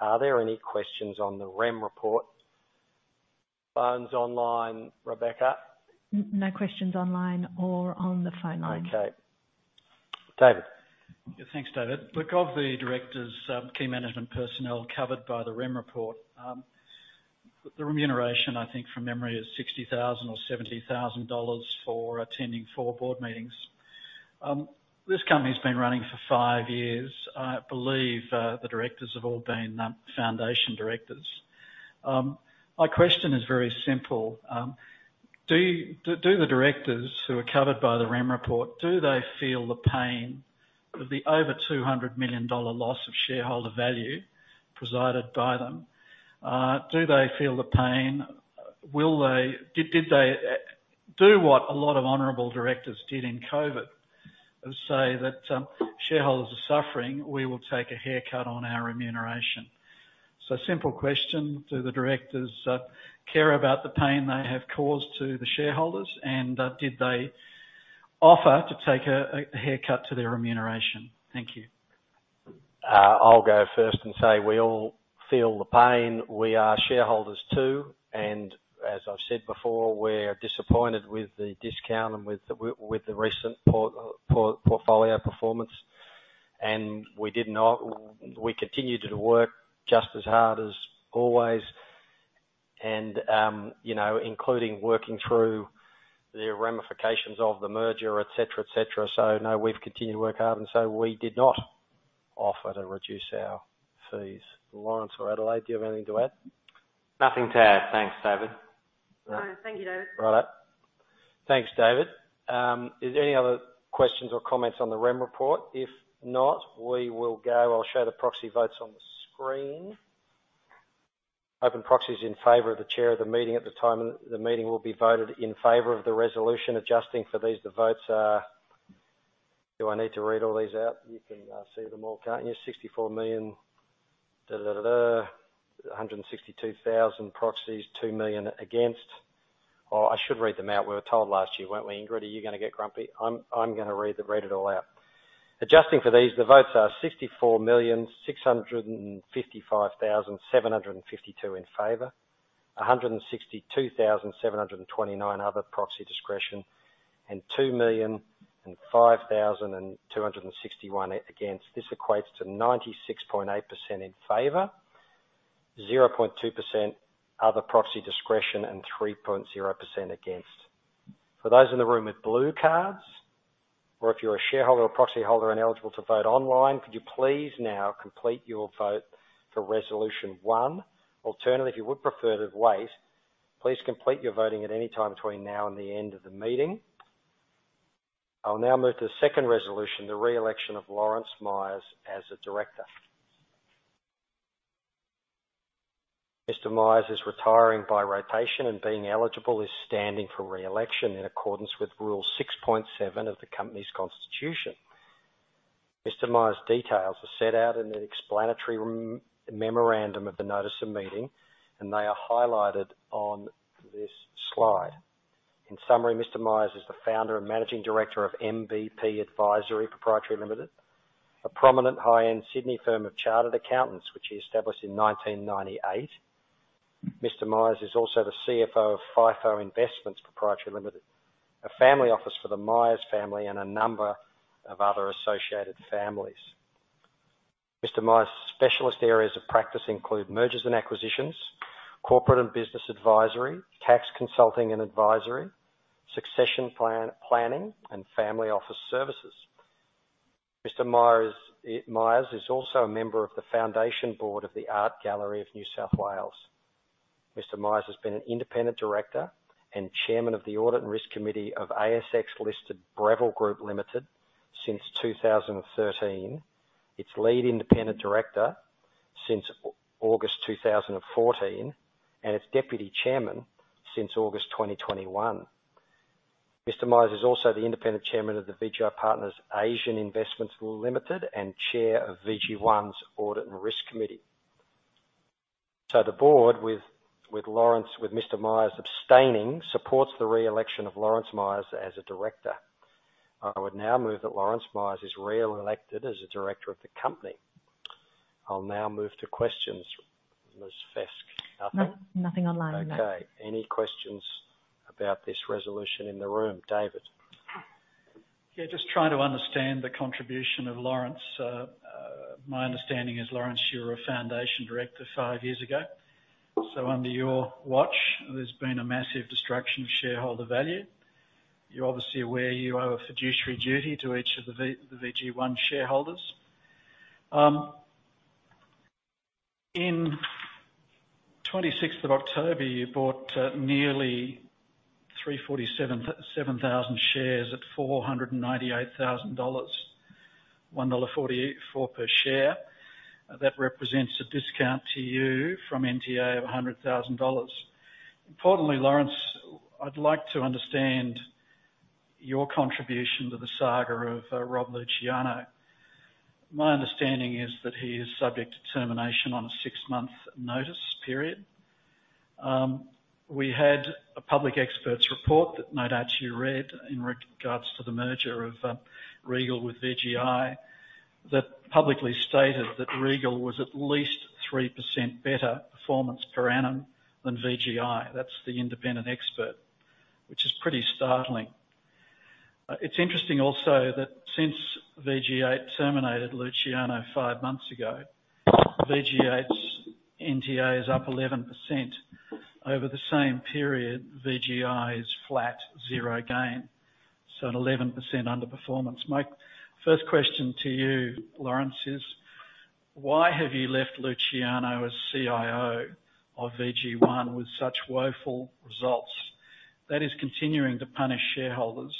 Are there any questions on the Rem report? Phones, online, Rebecca? No questions online or on the phone line. Okay. David? Yeah. Thanks, David. Look, of the directors, key management personnel covered by the Rem report, the remuneration, I think from memory is 60,000 or 70,000 dollars for attending four board meetings. This company's been running for five years. I believe, the directors have all been, foundation directors. My question is very simple. Do the directors who are covered by the Rem report, do they feel the pain of the over 200 million dollar loss of shareholder value presided by them? Do they feel the pain? Will they... Did they do what a lot of honorable directors did in COVID, and say that, shareholders are suffering, we will take a haircut on our remuneration? Simple question. Do the directors, care about the pain they have caused to the shareholders? Did they offer to take a haircut to their remuneration? Thank you. I'll go first and say we all feel the pain. We are shareholders too. As I've said before, we're disappointed with the discount and with the recent portfolio performance. We did not... We continue to work just as hard as always and, you know, including working through the ramifications of the merger, et cetera, et cetera. No, we've continued to work hard, and so we did not offer to reduce our fees. Lawrence or Adelaide, do you have anything to add? Nothing to add. Thanks, David. No. Thank you, David. Righto. Thanks, David. Is there any other questions or comments on the Rem report? If not, we will go. I'll show the proxy votes on the screen. Open proxies in favor of the chair of the meeting at the time of the meeting will be voted in favor of the resolution. Adjusting for these, the votes are... Do I need to read all these out? You can see them all, can't you? 64 million da, da. 162,000 proxies. 2 million against. Oh, I should read them out. We were told last year, weren't we, Ingrid? Are you gonna get grumpy? I'm gonna read it all out. Adjusting for these, the votes are 64,655,752 in favor, 162,729 other proxy discretion, and 2,005,261 against. This equates to 96.8% in favor, 0.2% other proxy discretion, and 3.0% against. For those in the room with blue cards, or if you're a shareholder or proxy holder and eligible to vote online, could you please now complete your vote for resolution 1. Alternatively, if you would prefer to wait, please complete your voting at any time between now and the end of the meeting. I'll now move to the second resolution, the re-election of Lawrence Myers as a director. Mr. Myers is retiring by rotation, being eligible, is standing for re-election in accordance with rule 6.7 of the company's constitution. Mr. Myers' details are set out in an explanatory memorandum of the notice of meeting. They are highlighted on this slide. In summary, Mr. Myers is the founder and managing director of MBP Advisory Pty. Limited, a prominent high-end Sydney firm of chartered accountants which he established in 1998. Mr. Myers is also the CFO of FIFO Investments Proprietary Limited, a family office for the Myers family and a number of other associated families. Mr. Myers' specialist areas of practice include mergers and acquisitions, corporate and business advisory, tax consulting and advisory, succession planning, and family office services. Mr. Myers is also a member of the Foundation Board of the Art Gallery of New South Wales. The board, with Lawrence, with Mr. Myers abstaining, supports the re-election of Lawrence Myers as a director. I would now move that Lawrence Myers is re-elected as a director of the company. I'll now move to questions. Ms. Fesq, nothing? No. Nothing online, no. Okay. Any questions about this resolution in the room? David? Just trying to understand the contribution of Lawrence. My understanding is, Lawrence, you're a foundation director five years ago. Under your watch, there's been a massive destruction of shareholder value. You're obviously aware you owe a fiduciary duty to each of the VG1 shareholders. In 26th of October, you bought nearly 347,000 shares at $498,000, $1.44 per share. That represents a discount to you from NTA of $100,000. Importantly, Lawrence, I'd like to understand your contribution to the saga of Rob Luciano. My understanding is that he is subject to termination on a 6-month notice period. We had a public expert's report that no one actually read in regards to the merger of Regal with VGI that publicly stated that Regal was at least 3% better performance per annum than VGI. That's the independent expert, which is pretty startling. It's interesting also that since VG8 terminated Luciano five months ago, VG8's NTA is up 11%. Over the same period, VGI is flat, 0 gain, so an 11% underperformance. My first question to you, Lawrence, is why have you left Luciano as CIO of VG1 with such woeful results? That is continuing to punish shareholders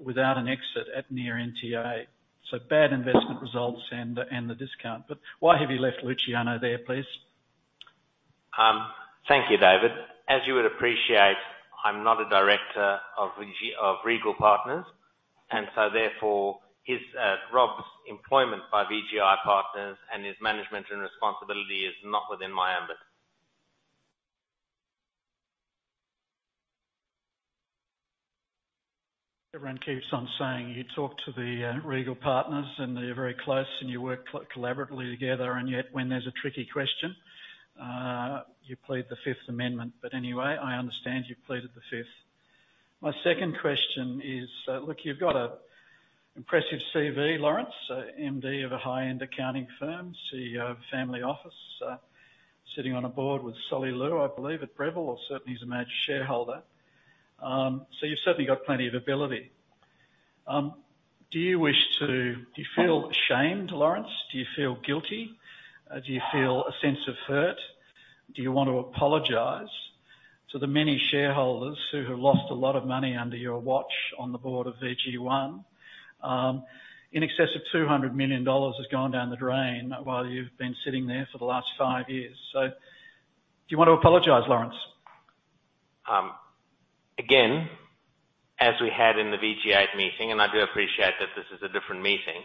without an exit at near NTA, bad investment results and the discount. Why have you left Luciano there, please? Thank you, David. As you would appreciate, I'm not a director of Regal Partners, therefore his, Rob's employment by VGI Partners and his management and responsibility is not within my ambit. Everyone keeps on saying you talk to the Regal Partners and that you're very close and you work collaboratively together, and yet when there's a tricky question, you plead the Fifth Amendment. Anyway, I understand you pleaded the Fifth. My second question is, look, you've got an impressive CV, Lawrence, MD of a high-end accounting firm, CEO of a family office, sitting on a board with Solomon Lew, I believe, at Breville, or certainly as a major shareholder. You've certainly got plenty of ability. Do you feel ashamed, Lawrence? Do you feel guilty? Do you feel a sense of hurt? Do you want to apologize to the many shareholders who have lost a lot of money under your watch on the board of VG1? In excess of $200 million has gone down the drain while you've been sitting there for the last five years. Do you want to apologize, Lawrence? Again, as we had in the VG8 meeting, and I do appreciate that this is a different meeting,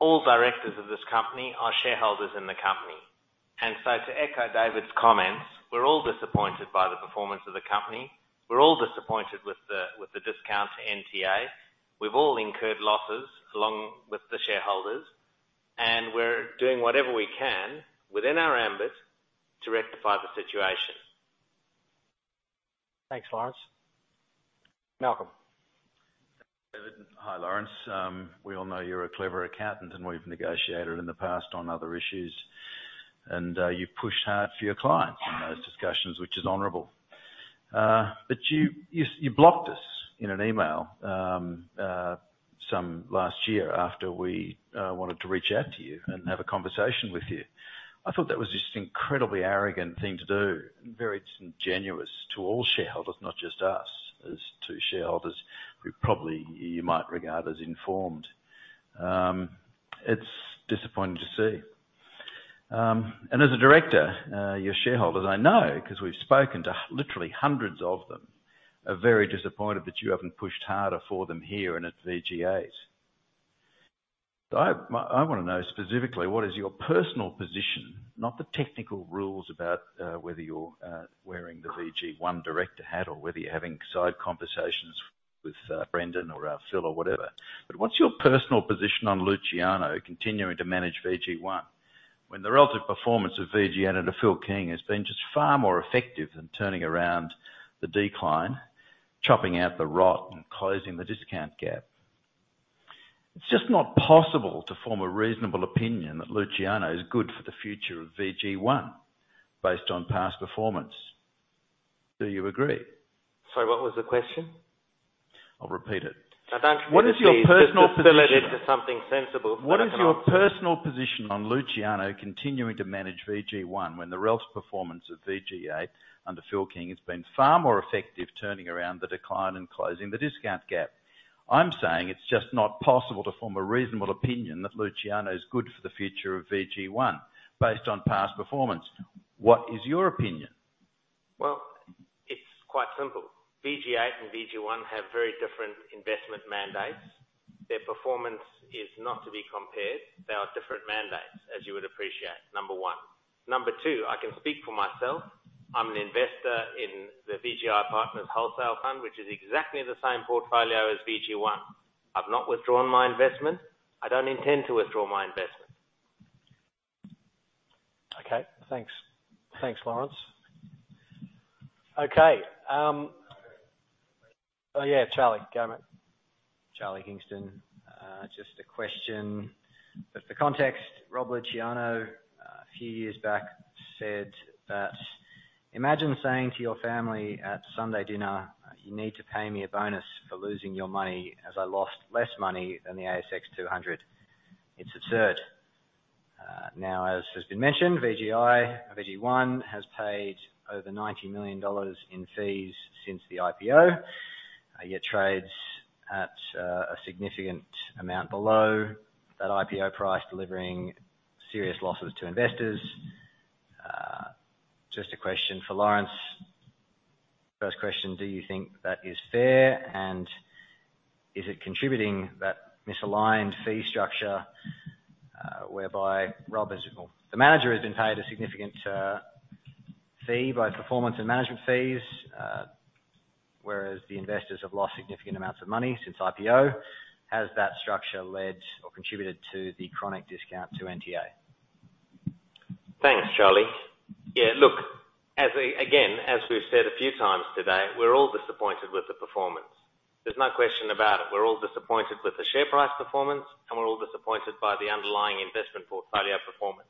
all directors of this company are shareholders in the company. To echo David's comments, we're all disappointed by the performance of the company. We're all disappointed with the discount to NTA. We've all incurred losses along with the shareholders, and we're doing whatever we can within our ambit to rectify the situation. Thanks, Lawrence. Malcolm? Hi, Lawrence. We all know you're a clever accountant, and we've negotiated in the past on other issues. You've pushed hard for your clients in those discussions, which is honorable. You blocked us in an email, some last year after we wanted to reach out to you and have a conversation with you. I thought that was just an incredibly arrogant thing to do and very disingenuous to all shareholders, not just us, as two shareholders who probably you might regard as informed. It's disappointing to see. As a director, your shareholders, I know, because we've spoken to literally hundreds of them, are very disappointed that you haven't pushed harder for them here and at VGI's. I wanna know specifically, what is your personal position, not the technical rules about whether you're wearing the VG1 director hat or whether you're having side conversations with Brendan or Phil or whatever. But what's your personal position on Luciano continuing to manage VG1 when the relative performance of VG8 under Phil King has been just far more effective in turning around the decline, chopping out the rot, and closing the discount gap? It's just not possible to form a reasonable opinion that Luciano is good for the future of VG1 based on past performance. Do you agree? Sorry, what was the question? I'll repeat it. I don't appreciate- What is your personal position? The lead into something sensible. What is your personal position on Luciano continuing to manage VG1 when the relative performance of VG8 under Phil King has been far more effective turning around the decline and closing the discount gap? I'm saying it's just not possible to form a reasonable opinion that Luciano is good for the future of VG1 based on past performance. What is your opinion? Well, it's quite simple. VG8 and VG1 have very different investment mandates. Their performance is not to be compared. They are different mandates, as you would appreciate, number one. Number two, I can speak for myself. I'm an investor in the VGI Partners Wholesale Fund, which is exactly the same portfolio as VG1. I've not withdrawn my investment. I don't intend to withdraw my investment. Okay, thanks. Thanks, Lawrence. Okay. Oh, yeah, Charlie, go man. Charlie Kingston. Just a question. For context, Rob Luciano, a few years back, said that: "Imagine saying to your family at Sunday dinner, 'You need to pay me a bonus for losing your money as I lost less money than the S&P/ASX 200.'" It's absurd. Now, as has been mentioned, VGI, VG1 has paid over 90 million dollars in fees since the IPO, yet trades at a significant amount below that IPO price, delivering serious losses to investors. Just a question for Lawrence. First question, do you think that is fair, and is it contributing that misaligned fee structure, whereby Well, the manager has been paid a significant fee, both performance and management fees, whereas the investors have lost significant amounts of money since IPO? Has that structure led or contributed to the chronic discount to NTA? Thanks, Charlie. Yeah, look, again, as we've said a few times today, we're all disappointed with the performance. There's no question about it. We're all disappointed with the share price performance, and we're all disappointed by the underlying investment portfolio performance.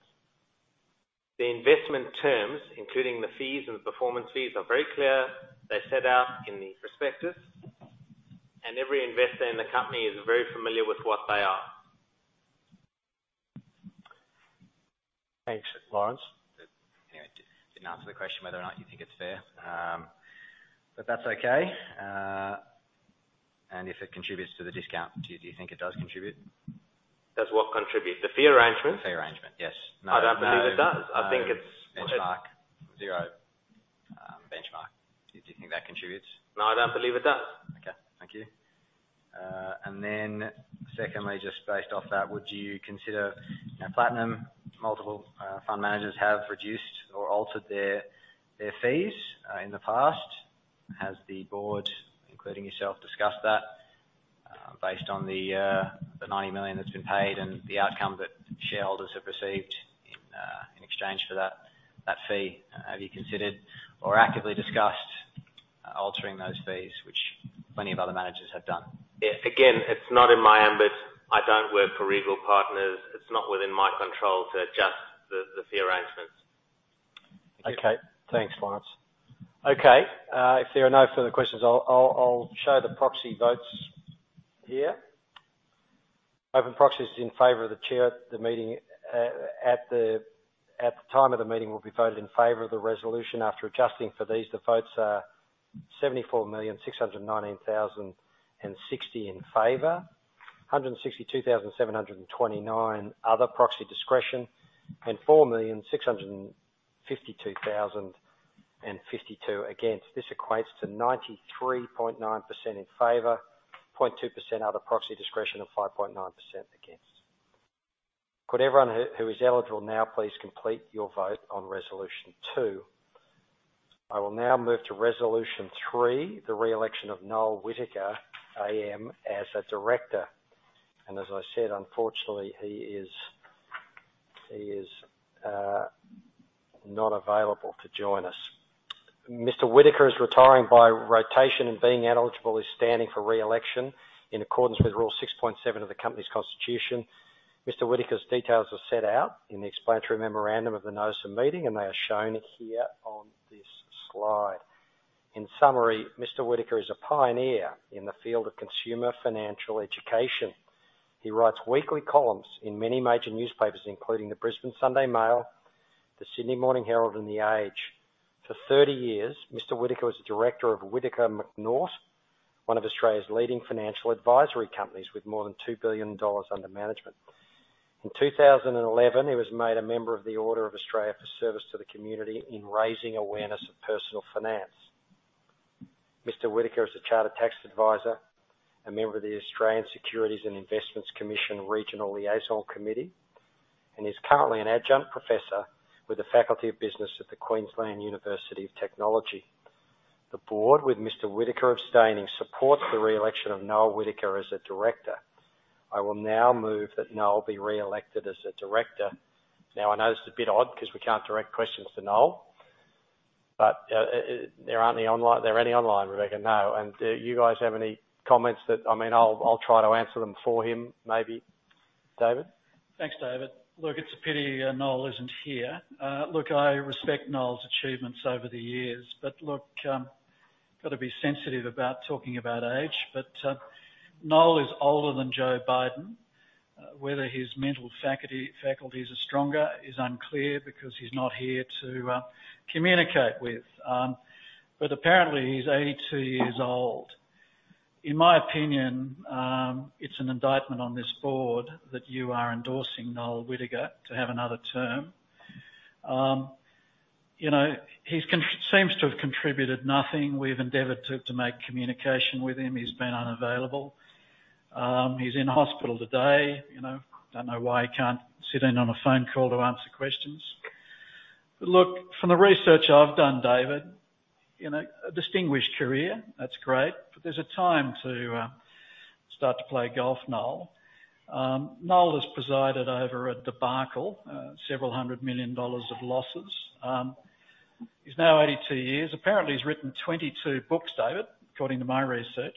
The investment terms, including the fees and the performance fees, are very clear. They're set out in the prospectus, and every investor in the company is very familiar with what they are. Thanks, Lawrence. Didn't answer the question whether or not you think it's fair. That's okay. If it contributes to the discount, do you think it does contribute? Does what contribute? The fee arrangement? The fee arrangement, yes. I don't believe it does. I think. No, no benchmark. Zero, benchmark. Do you think that contributes? No, I don't believe it does. Okay. Thank you. Secondly, just based off that, would you consider... You know, Platinum, multiple fund managers have reduced or altered their fees in the past. Has the board, including yourself, discussed that, based on the 90 million that's been paid and the outcome that shareholders have received in exchange for that fee? Have you considered or actively discussed altering those fees, which plenty of other managers have done? Yeah. Again, it's not in my ambit. I don't work for Regal Partners. It's not within my control to adjust the fee arrangements. Okay. Thanks, Lawrence. Okay, if there are no further questions, I'll show the proxy votes here. Open proxies in favor of the chair at the meeting, at the time of the meeting will be voted in favor of the resolution. After adjusting for these, the votes are 74,619,060 in favor, 162,729 other proxy discretion, and 4,652,052 against. This equates to 93.9% in favor, 0.2% other proxy discretion, and 5.9% against. Could everyone who is eligible now please complete your vote on resolution 2? I will now move to resolution 3, the re-election of Noel Whittaker AM as a director. As I said, unfortunately, he is not available to join us. Mr. Whittaker is retiring by rotation and being ineligible is standing for re-election in accordance with rule 6.7 of the company's constitution. Mr. Whittaker's details are set out in the explanatory memorandum of the NOSM meeting, and they are shown here on this slide. In summary, Mr. Whittaker is a pioneer in the field of consumer financial education. He writes weekly columns in many major newspapers, including the Brisbane Sunday Mail, The Sydney Morning Herald, and The Age. For 30 years, Mr. Whittaker was a director of Whittaker Macnaught, one of Australia's leading financial advisory companies with more than 2 billion dollars under management. In 2011, he was made a member of the Order of Australia for service to the community in raising awareness of personal finance. Mr. Whittaker is a chartered tax advisor, a member of the Australian Securities and Investments Commission Regional Liaison Committee, and is currently an adjunct professor with the Faculty of Business at the Queensland University of Technology. The board, with Mr. Whittaker abstaining, supports the re-election of Noel Whittaker as a director. I will now move that Noel be re-elected as a director. I know this is a bit odd because we can't direct questions to Noel, but there are any online, Rebecca? No. Do you guys have any comments that... I mean, I'll try to answer them for him, maybe. David? Thanks, David. Look, it's a pity, Noel isn't here. Look, I respect Noel's achievements over the years, but look, got to be sensitive about talking about age, but Noel is older than Joe Biden. Whether his mental faculty, faculties are stronger is unclear because he's not here to communicate with. Apparently, he's 82 years old. In my opinion, it's an indictment on this board that you are endorsing Noel Whittaker to have another term. You know, he seems to have contributed nothing. We've endeavored to make communication with him. He's been unavailable. He's in hospital today, you know. Don't know why he can't sit in on a phone call to answer questions. Look, from the research I've done, David Jones, you know, a distinguished career, that's great, but there's a time to start to play golf, Noel Whittaker. Noel Whittaker has presided over a debacle, several hundred million AUD of losses. He's now 82 years. Apparently, he's written 22 books, David Jones, according to my research.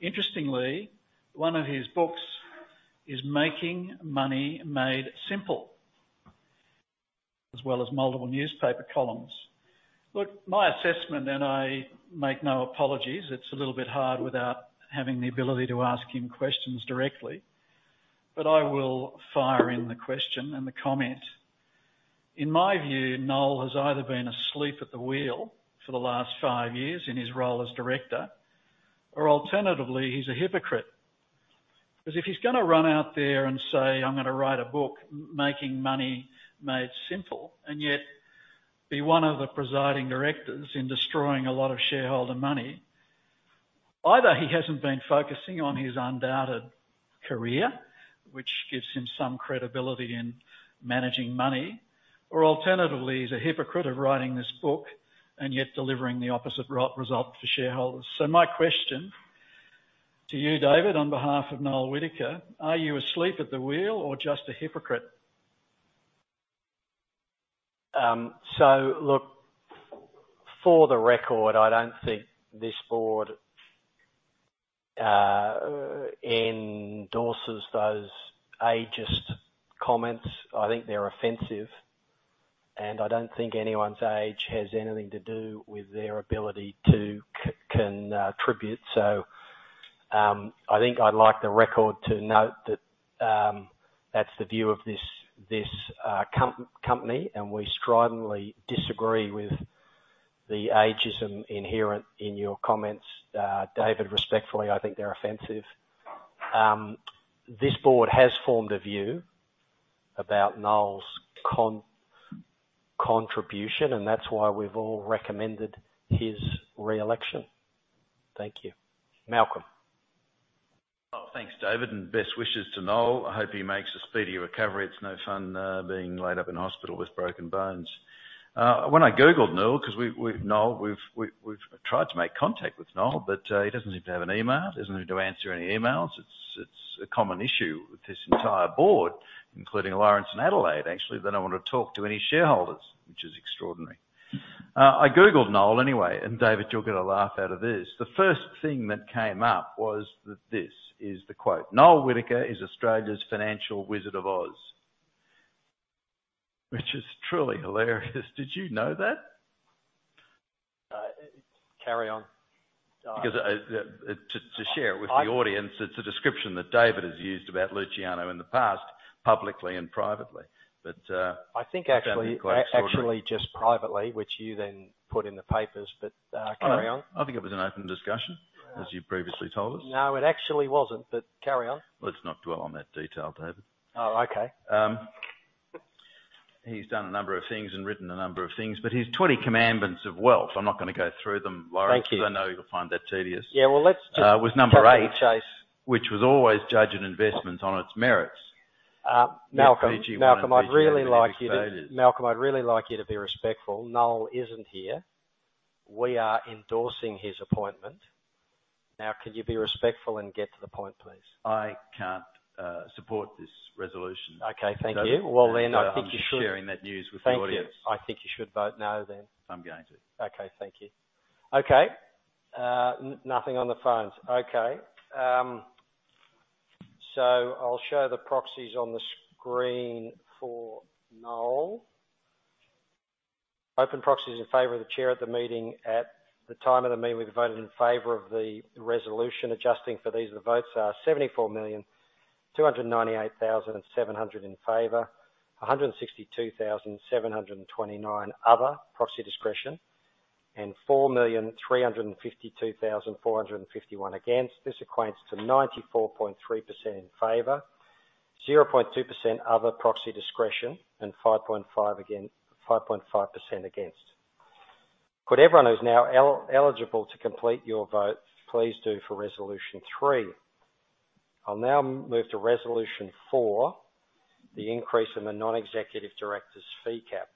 Interestingly, one of his books is Making Money Made Simple, as well as multiple newspaper columns. Look, my assessment, and I make no apologies, it's a little bit hard without having the ability to ask him questions directly, but I will fire in the question and the comment. In my view, Noel Whittaker has either been asleep at the wheel for the last five years in his role as director or alternatively, he's a hypocrite. If he's gonna run out there and say, "I'm gonna write a book, Making Money Made Simple," and yet be one of the presiding directors in destroying a lot of shareholder money, either he hasn't been focusing on his undoubted career, which gives him some credibility in managing money, or alternatively, he's a hypocrite of writing this book and yet delivering the opposite result for shareholders. My question to you, David, on behalf of Noel Whittaker, are you asleep at the wheel or just a hypocrite? Look, for the record, I don't think this board endorses those ageist comments. I think they're offensive, I don't think anyone's age has anything to do with their ability to can tribute. I think I'd like the record to note that that's the view of this company, we stridently disagree with the ageism inherent in your comments. David, respectfully, I think they're offensive. This board has formed a view about Noel's contribution, and that's why we've all recommended his re-election. Thank you. Malcolm? Oh, thanks, David, and best wishes to Noel. I hope he makes a speedy recovery. It's no fun being laid up in hospital with broken bones. When I googled Noel, because Noel, we've tried to make contact with Noel, but he doesn't seem to have an email. He doesn't seem to answer any emails. It's a common issue with this entire board, including Lawrence in Adelaide, actually, they don't want to talk to any shareholders, which is extraordinary. I googled Noel anyway, and David, you'll get a laugh out of this. The first thing that came up was that this is the quote, "Noel Whittaker is Australia's financial The Wizard of Oz." Which is truly hilarious. Did you know that? carry on. To share it with the audience, it's a description that David has used about Luciano in the past, publicly and privately. I think actually- Found it quite extraordinary. Actually just privately, which you then put in the papers, but, carry on. I think it was an open discussion, as you previously told us. No, it actually wasn't, but carry on. Let's not dwell on that detail, David. Oh, okay. He's done a number of things and written a number of things, but his 20 commandments of wealth, I'm not gonna go through them, Lawrence. Thank you. I know you'll find that tedious. Yeah, well, let's. was number eight-. Cut to the chase. was always judge an investment on its merits. Malcolm. VG1 and VG have been big failures. Malcolm, I'd really like you to be respectful. Noel isn't here. We are endorsing his appointment. Could you be respectful and get to the point, please? I can't support this resolution. Okay. Thank you. Well, then. I'm just sharing that news with the audience. Thank you. I think you should vote no then. I'm going to. Okay. Thank you. Okay, nothing on the phones. Okay. I'll show the proxies on the screen for Noel. Open proxies in favor of the chair at the meeting. At the time of the meeting, we voted in favor of the resolution. Adjusting for these, the votes are 74,298,700 in favor, 162,729 other proxy discretion, and 4,352,451 against. This equates to 94.3% in favor, 0.2% other proxy discretion, and 5.5% against, 5.5% against. Could everyone who's now eligible to complete your vote, please do for resolution three. I'll now move to resolution four, the increase in the non-executive director's fee cap.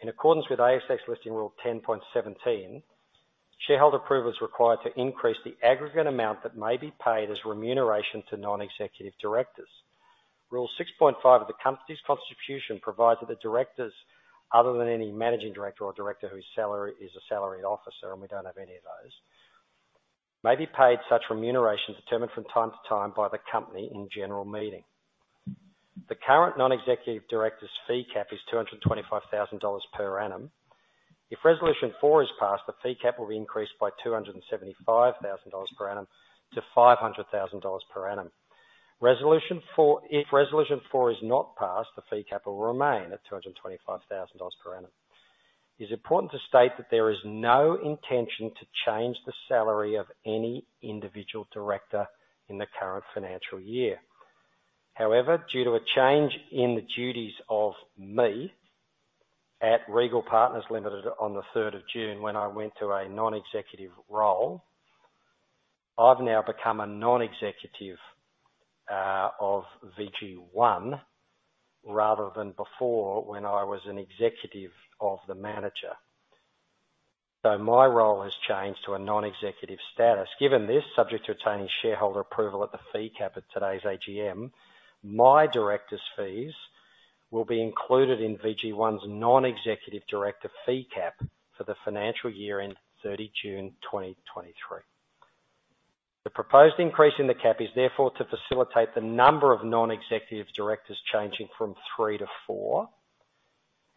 In accordance with ASX Listing Rule 10.17, shareholder approval is required to increase the aggregate amount that may be paid as remuneration to non-executive directors. Rule 6.5 of the company's constitution provides that the directors, other than any managing director or director whose salary is a salaried officer, and we don't have any of those, may be paid such remuneration determined from time to time by the company in general meeting. The current non-executive director's fee cap is 225,000 dollars per annum. If resolution 4 is passed, the fee cap will be increased by 275,000 dollars per annum to 500,000 dollars per annum. If resolution 4 is not passed, the fee cap will remain at 225,000 dollars per annum. It is important to state that there is no intention to change the salary of any individual director in the current financial year. However, due to a change in the duties of me at Regal Partners Limited on the 3rd of June, when I went to a non-executive role, I've now become a non-executive of VG1 rather than before when I was an executive of the manager. My role has changed to a non-executive status. Given this, subject to obtaining shareholder approval at the fee cap at today's AGM, my director's fees will be included in VG1's non-executive director fee cap for the financial year end, 30 June 2023. The proposed increase in the cap is therefore to facilitate the number of non-executive directors changing from three to four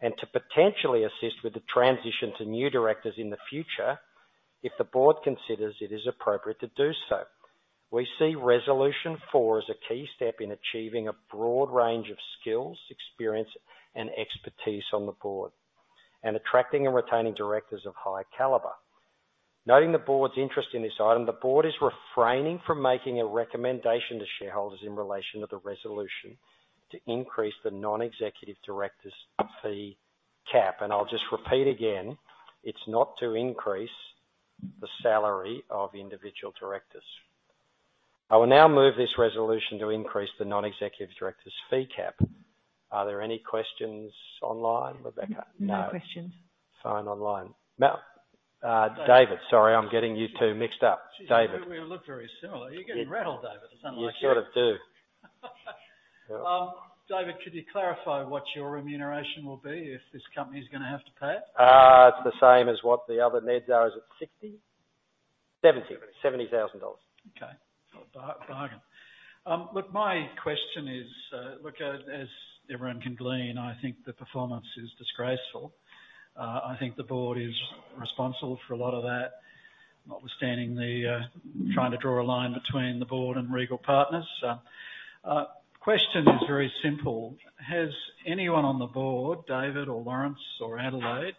and to potentially assist with the transition to new directors in the future if the board considers it is appropriate to do so. We see resolution 4 as a key step in achieving a broad range of skills, experience, and expertise on the board and attracting and retaining directors of high caliber. Noting the board's interest in this item, the board is refraining from making a recommendation to shareholders in relation to the resolution to increase the non-executive directors' fee cap. I'll just repeat again, it's not to increase the salary of individual directors. I will now move this resolution to increase the non-executive directors' fee cap. Are there any questions online, Rebecca? No questions. Fine. Online. Mel? David. Sorry, I'm getting you two mixed up. David. We all look very similar. You're getting rattled, David. It's not like you. You sort of do. David, could you clarify what your remuneration will be if this company is gonna have to pay it? It's the same as what the other NEDs are. Is it 60? 70. $70,000. Okay. Bargain. Look, my question is, look, as everyone can glean, I think the performance is disgraceful. I think the board is responsible for a lot of that, notwithstanding the trying to draw a line between the board and Regal Partners. Question is very simple: Has anyone on the board, David or Lawrence or Adelaide,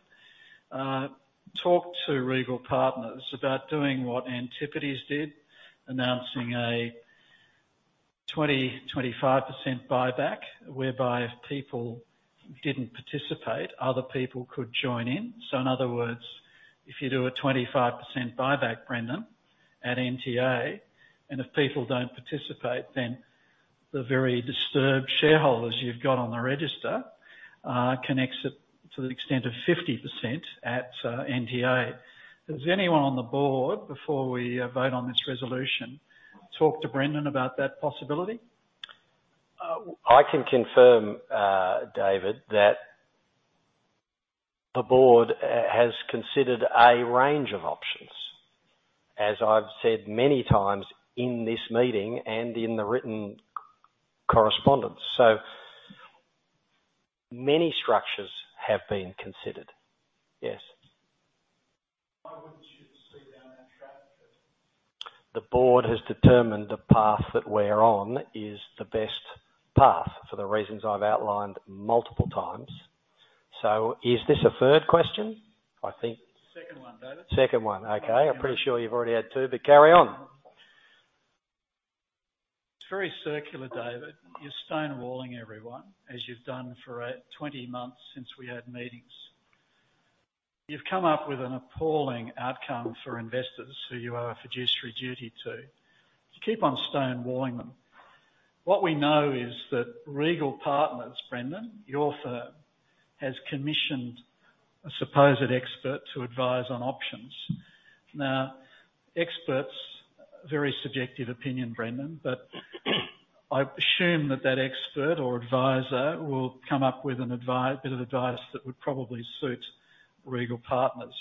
talked to Regal Partners about doing what Antipodes did, announcing a 20%-25% buyback, whereby if people didn't participate, other people could join in. In other words, if you do a 25% buyback, Brendan, at NTA, and if people don't participate, then the very disturbed shareholders you've got on the register, can exit to the extent of 50% at NTA. Has anyone on the board, before we vote on this resolution, talked to Brendan about that possibility? I can confirm, David, that the board has considered a range of options, as I've said many times in this meeting and in the written correspondence. Many structures have been considered. Yes. Why wouldn't you go down that track first? The board has determined the path that we're on is the best path for the reasons I've outlined multiple times. Is this a third question? Second one, David. Second one. Okay. I'm pretty sure you've already had two, but carry on. It's very circular, David. You're stonewalling everyone, as you've done for 20 months since we had meetings. You've come up with an appalling outcome for investors who you owe a fiduciary duty to. You keep on stonewalling them. What we know is that Regal Partners, Brendan, your firm, has commissioned a supposed expert to advise on options. Experts, very subjective opinion, Brendan, but I assume that that expert or advisor will come up with a bit of advice that would probably suit Regal Partners.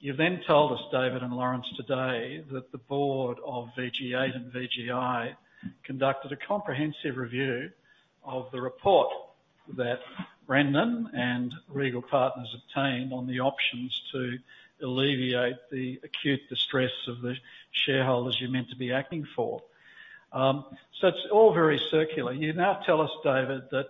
You told us, David and Lawrence today, that the board of VG8 and VGI conducted a comprehensive review of the report that Brendan and Regal Partners obtained on the options to alleviate the acute distress of the shareholders you're meant to be acting for. It's all very circular. You now tell us, David, that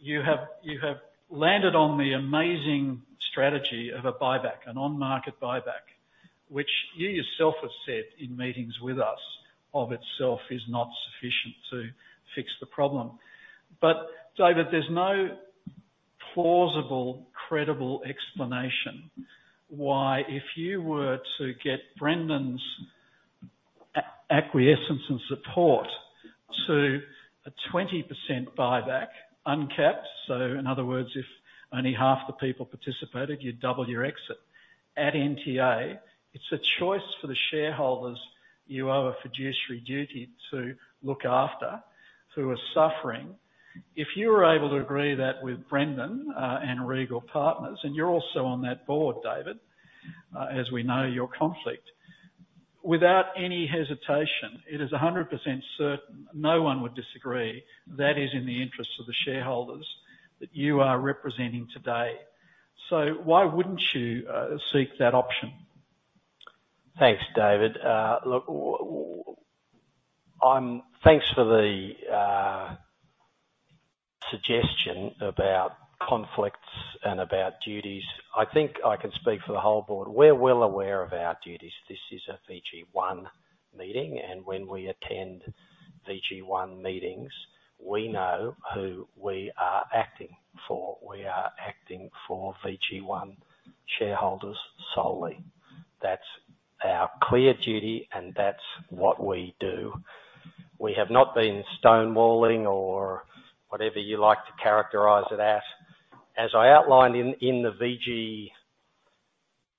you have landed on the amazing strategy of a buyback, an on-market buyback, which you yourself have said in meetings with us of itself is not sufficient to fix the problem. David, there's no plausible, credible explanation why, if you were to get Brendan's acquiescence and support to a 20% buyback, uncapped, so in other words, if only half the people participated, you double your exit at NTA. It's a choice for the shareholders you owe a fiduciary duty to look after who are suffering. If you were able to agree that with Brendan and Regal Partners, and you're also on that board, David, as we know your conflict, without any hesitation, it is 100% certain no one would disagree. That is in the interests of the shareholders that you are representing today. Why wouldn't you seek that option? Thanks, David. Look, Thanks for the suggestion about conflicts and about duties. I think I can speak for the whole board. We're well aware of our duties. This is a VG1 meeting, and when we attend VG1 meetings, we know who we are acting for. We are acting for VG1 shareholders solely. That's our clear duty, and that's what we do. We have not been stonewalling or whatever you like to characterize it as. As I outlined in the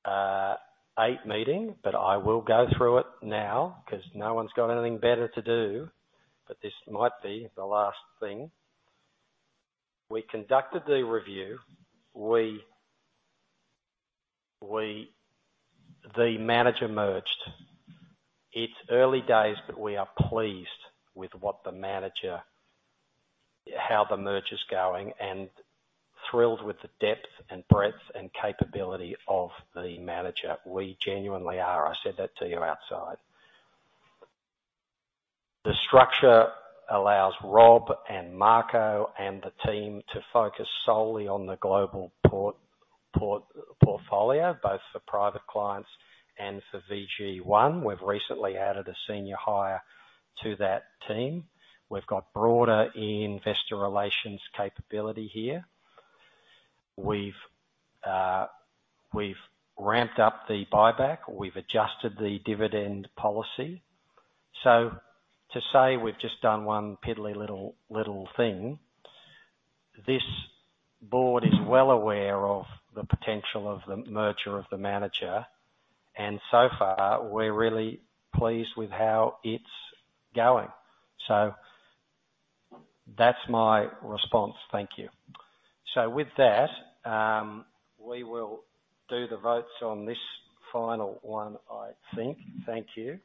VG8 meeting, but I will go through it now because no one's got anything better to do. This might be the last thing. We conducted the review. The manager merged. It's early days, but we are pleased with what the manager, how the merge is going, and thrilled with the depth and breadth and capability of the manager. We genuinely are. I said that to you outside. The structure allows Rob and Marco and the team to focus solely on the global portfolio, both for private clients and for VG1. We've recently added a senior hire to that team. We've got broader investor relations capability here. We've ramped up the buyback. We've adjusted the dividend policy. To say we've just done one piddly little thing, this board is well aware of the potential of the merger of the manager, and so far, we're really pleased with how it's going. That's my response. Thank you. With that, we will do the votes on this final one, I think. Thank you.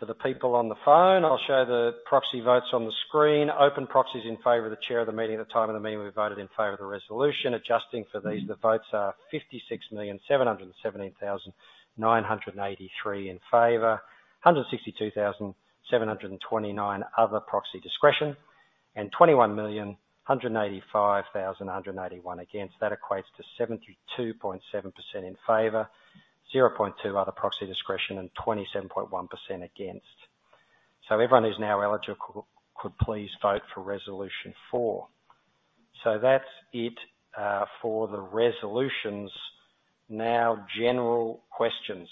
For the people on the phone, I'll show the proxy votes on the screen. Open proxies in favor of the chair of the meeting. At the time of the meeting, we voted in favor of the resolution. Adjusting for these, the votes are 56,717,983 in favor, 162,729 other proxy discretion, and 21,185,181 against. That equates to 72.7% in favor, 0.2 other proxy discretion, and 27.1% against. Everyone who's now eligible could please vote for resolution 4. That's it for the resolutions. Now, general questions.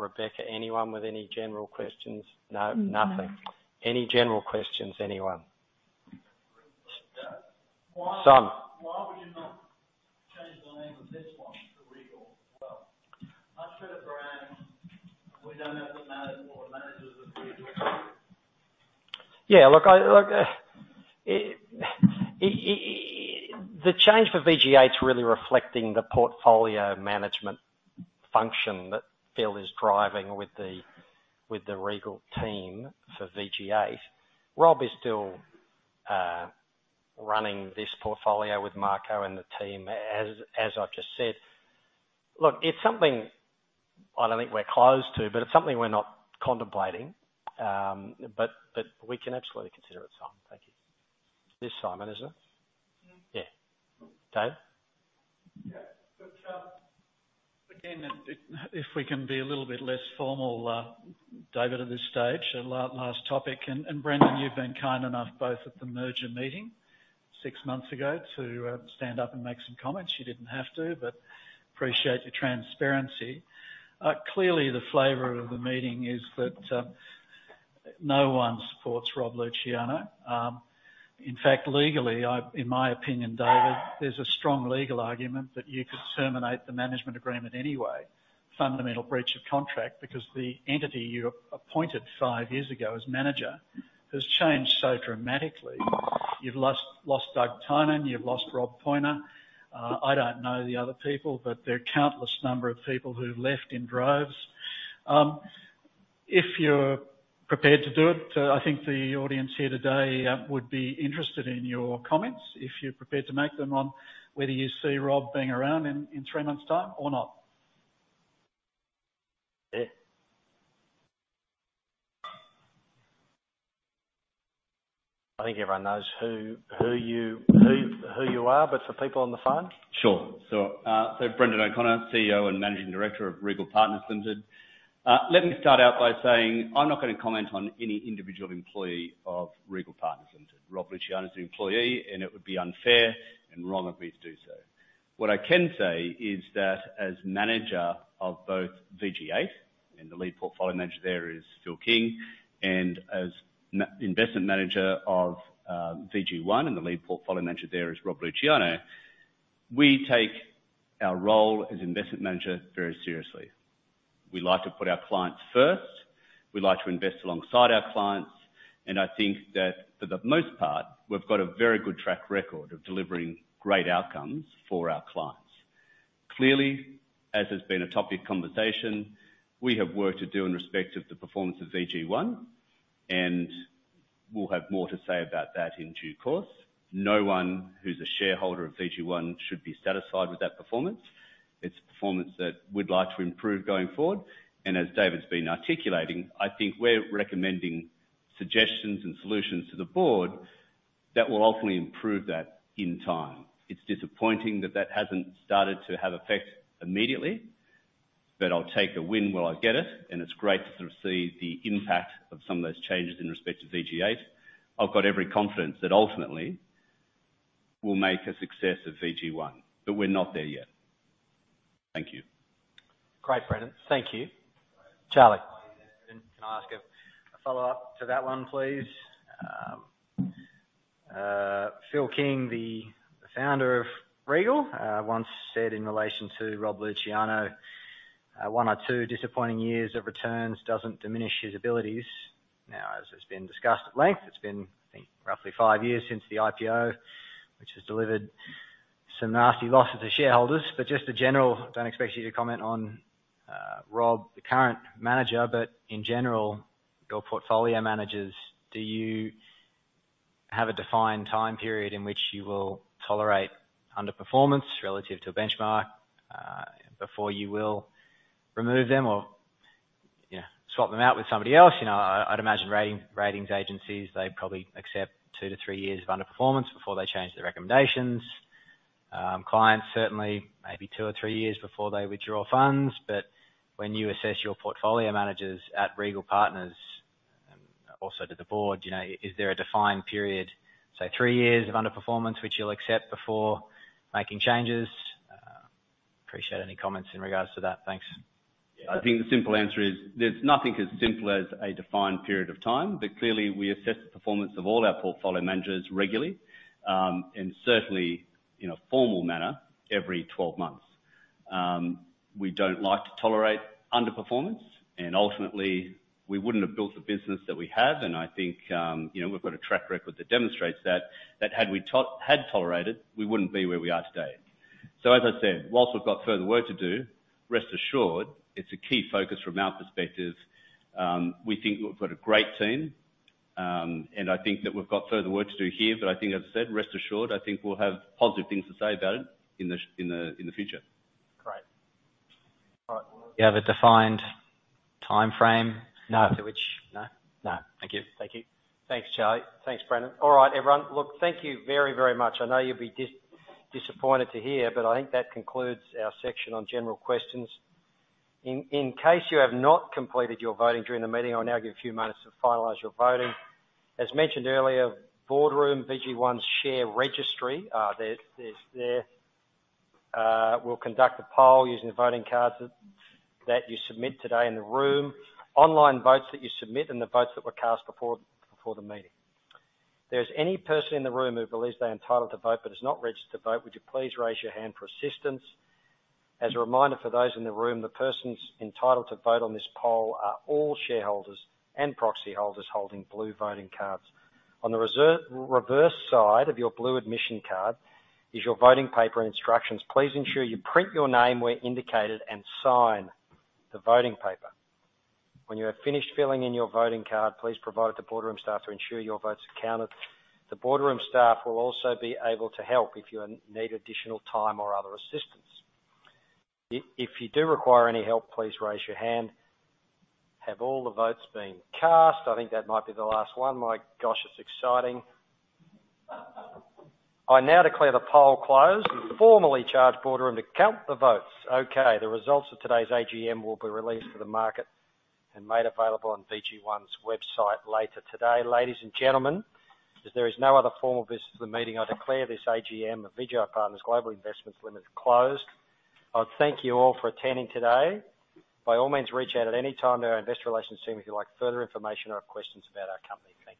Rebecca, anyone with any general questions? No, nothing. No. Any general questions, anyone? Simon. Why would you not change the name of this one to Regal as well? Much better brand. We don't have the managers. Yeah, look, I, look, it. The change for VG8's really reflecting the portfolio management function that Phil is driving with the Regal team for VG8. Rob is still running this portfolio with Marco and the team, as I've just said. Look, it's something I don't think we're closed to, but it's something we're not contemplating. But we can absolutely consider it, Simon. Thank you. It is Simon, isn't it? Mm-hmm. Yeah. Dave? Again, if we can be a little bit less formal, David, at this stage. Last topic, Brendan, you've been kind enough both at the merger meeting six months ago to stand up and make some comments. You didn't have to, but appreciate your transparency. Clearly the flavor of the meeting is that no one supports Rob Luciano. In fact, legally, I, in my opinion, David, there's a strong legal argument that you could terminate the management agreement anyway. Fundamental breach of contract because the entity you appointed five years ago as manager has changed so dramatically. You've lost Douglas Tynan, you've lost Robert Poiner. I don't know the other people, but there are countless number of people who've left in droves. If you're prepared to do it, I think the audience here today, would be interested in your comments, if you're prepared to make them, on whether you see Rob being around in three months' time or not. Yeah. I think everyone knows who you are, but for people on the phone. Sure. Brendan O'Connor, CEO and Managing Director of Regal Partners Limited. Let me start out by saying I'm not gonna comment on any individual employee of Regal Partners Limited. Rob Luciano is an employee, and it would be unfair and wrong of me to do so. What I can say is that as manager of both VG8, and the lead portfolio manager there is Phil King, and as investment manager of VG1, and the lead portfolio manager there is Rob Luciano, we take our role as investment manager very seriously. We like to put our clients first, we like to invest alongside our clients, and I think that for the most part, we've got a very good track record of delivering great outcomes for our clients. Clearly, as has been a topic of conversation, we have work to do in respect of the performance of VG1, and we'll have more to say about that in due course. No one who's a shareholder of VG1 should be satisfied with that performance. It's a performance that we'd like to improve going forward, and as David's been articulating, I think we're recommending suggestions and solutions to the board that will ultimately improve that in time. It's disappointing that that hasn't started to have effect immediately, but I'll take a win while I get it, and it's great to see the impact of some of those changes in respect to VG8. I've got every confidence that ultimately we'll make a success of VG1, but we're not there yet. Thank you. Great, Brendan. Thank you. Charlie. Can I ask a follow-up to that one, please? Phil King, the founder of Regal, once said in relation to Rob Luciano, one or two disappointing years of returns doesn't diminish his abilities. As has been discussed at length, it's been, I think, roughly five years since the IPO, which has delivered some nasty losses to shareholders. Just a general, don't expect you to comment on Rob, the current manager, but in general, your portfolio managers, do you have a defined time period in which you will tolerate underperformance relative to a benchmark before you will remove them or, you know, swap them out with somebody else? You know, I'd imagine ratings agencies, they probably accept two to three years of underperformance before they change their recommendations. Clients certainly maybe two or three years before they withdraw funds. When you assess your portfolio managers at Regal Partners, and also to the board, you know, is there a defined period, say, three years of underperformance which you'll accept before making changes? appreciate any comments in regards to that. Thanks. I think the simple answer is, there's nothing as simple as a defined period of time. Clearly, we assess the performance of all our portfolio managers regularly, and certainly in a formal manner every 12 months. We don't like to tolerate underperformance, and ultimately we wouldn't have built the business that we have, and I think, you know, we've got a track record that demonstrates that had tolerated, we wouldn't be where we are today. As I said, whilst we've got further work to do, rest assured it's a key focus from our perspective. We think we've got a great team, and I think that we've got further work to do here, but I think as I said, rest assured, I think we'll have positive things to say about it in the in the, in the future. Great. All right. You have a defined timeframe. No. to which... No? No. Thank you. Thank you. Thanks, Charlie. Thanks, Brendan. All right, everyone. Look, thank you very, very much. I know you'll be disappointed to hear, but I think that concludes our section on general questions. In case you have not completed your voting during the meeting, I'll now give you a few moments to finalize your voting. As mentioned earlier, boardroom VG1's share registry, there will conduct a poll using the voting cards that you submit today in the room. Online votes that you submit and the votes that were cast before the meeting. There's any person in the room who believes they're entitled to vote but is not registered to vote, would you please raise your hand for assistance. As a reminder for those in the room, the persons entitled to vote on this poll are all shareholders and proxy holders holding blue voting cards. On the reverse side of your blue admission card is your voting paper instructions. Please ensure you print your name where indicated and sign the voting paper. When you have finished filling in your voting card, please provide it to boardroom staff to ensure your vote's counted. The boardroom staff will also be able to help if you need additional time or other assistance. If you do require any help, please raise your hand. Have all the votes been cast? I think that might be the last one. My gosh, it's exciting. I now declare the poll closed and formally charge boardroom to count the votes. Okay. The results of today's AGM will be released to the market and made available on VG1's website later today. Ladies and gentlemen, if there is no other formal business to the meeting, I declare this AGM of VGI Partners Global Investments Limited closed. I thank you all for attending today. By all means, reach out at any time to our investor relations team if you'd like further information or have questions about our company. Thank you.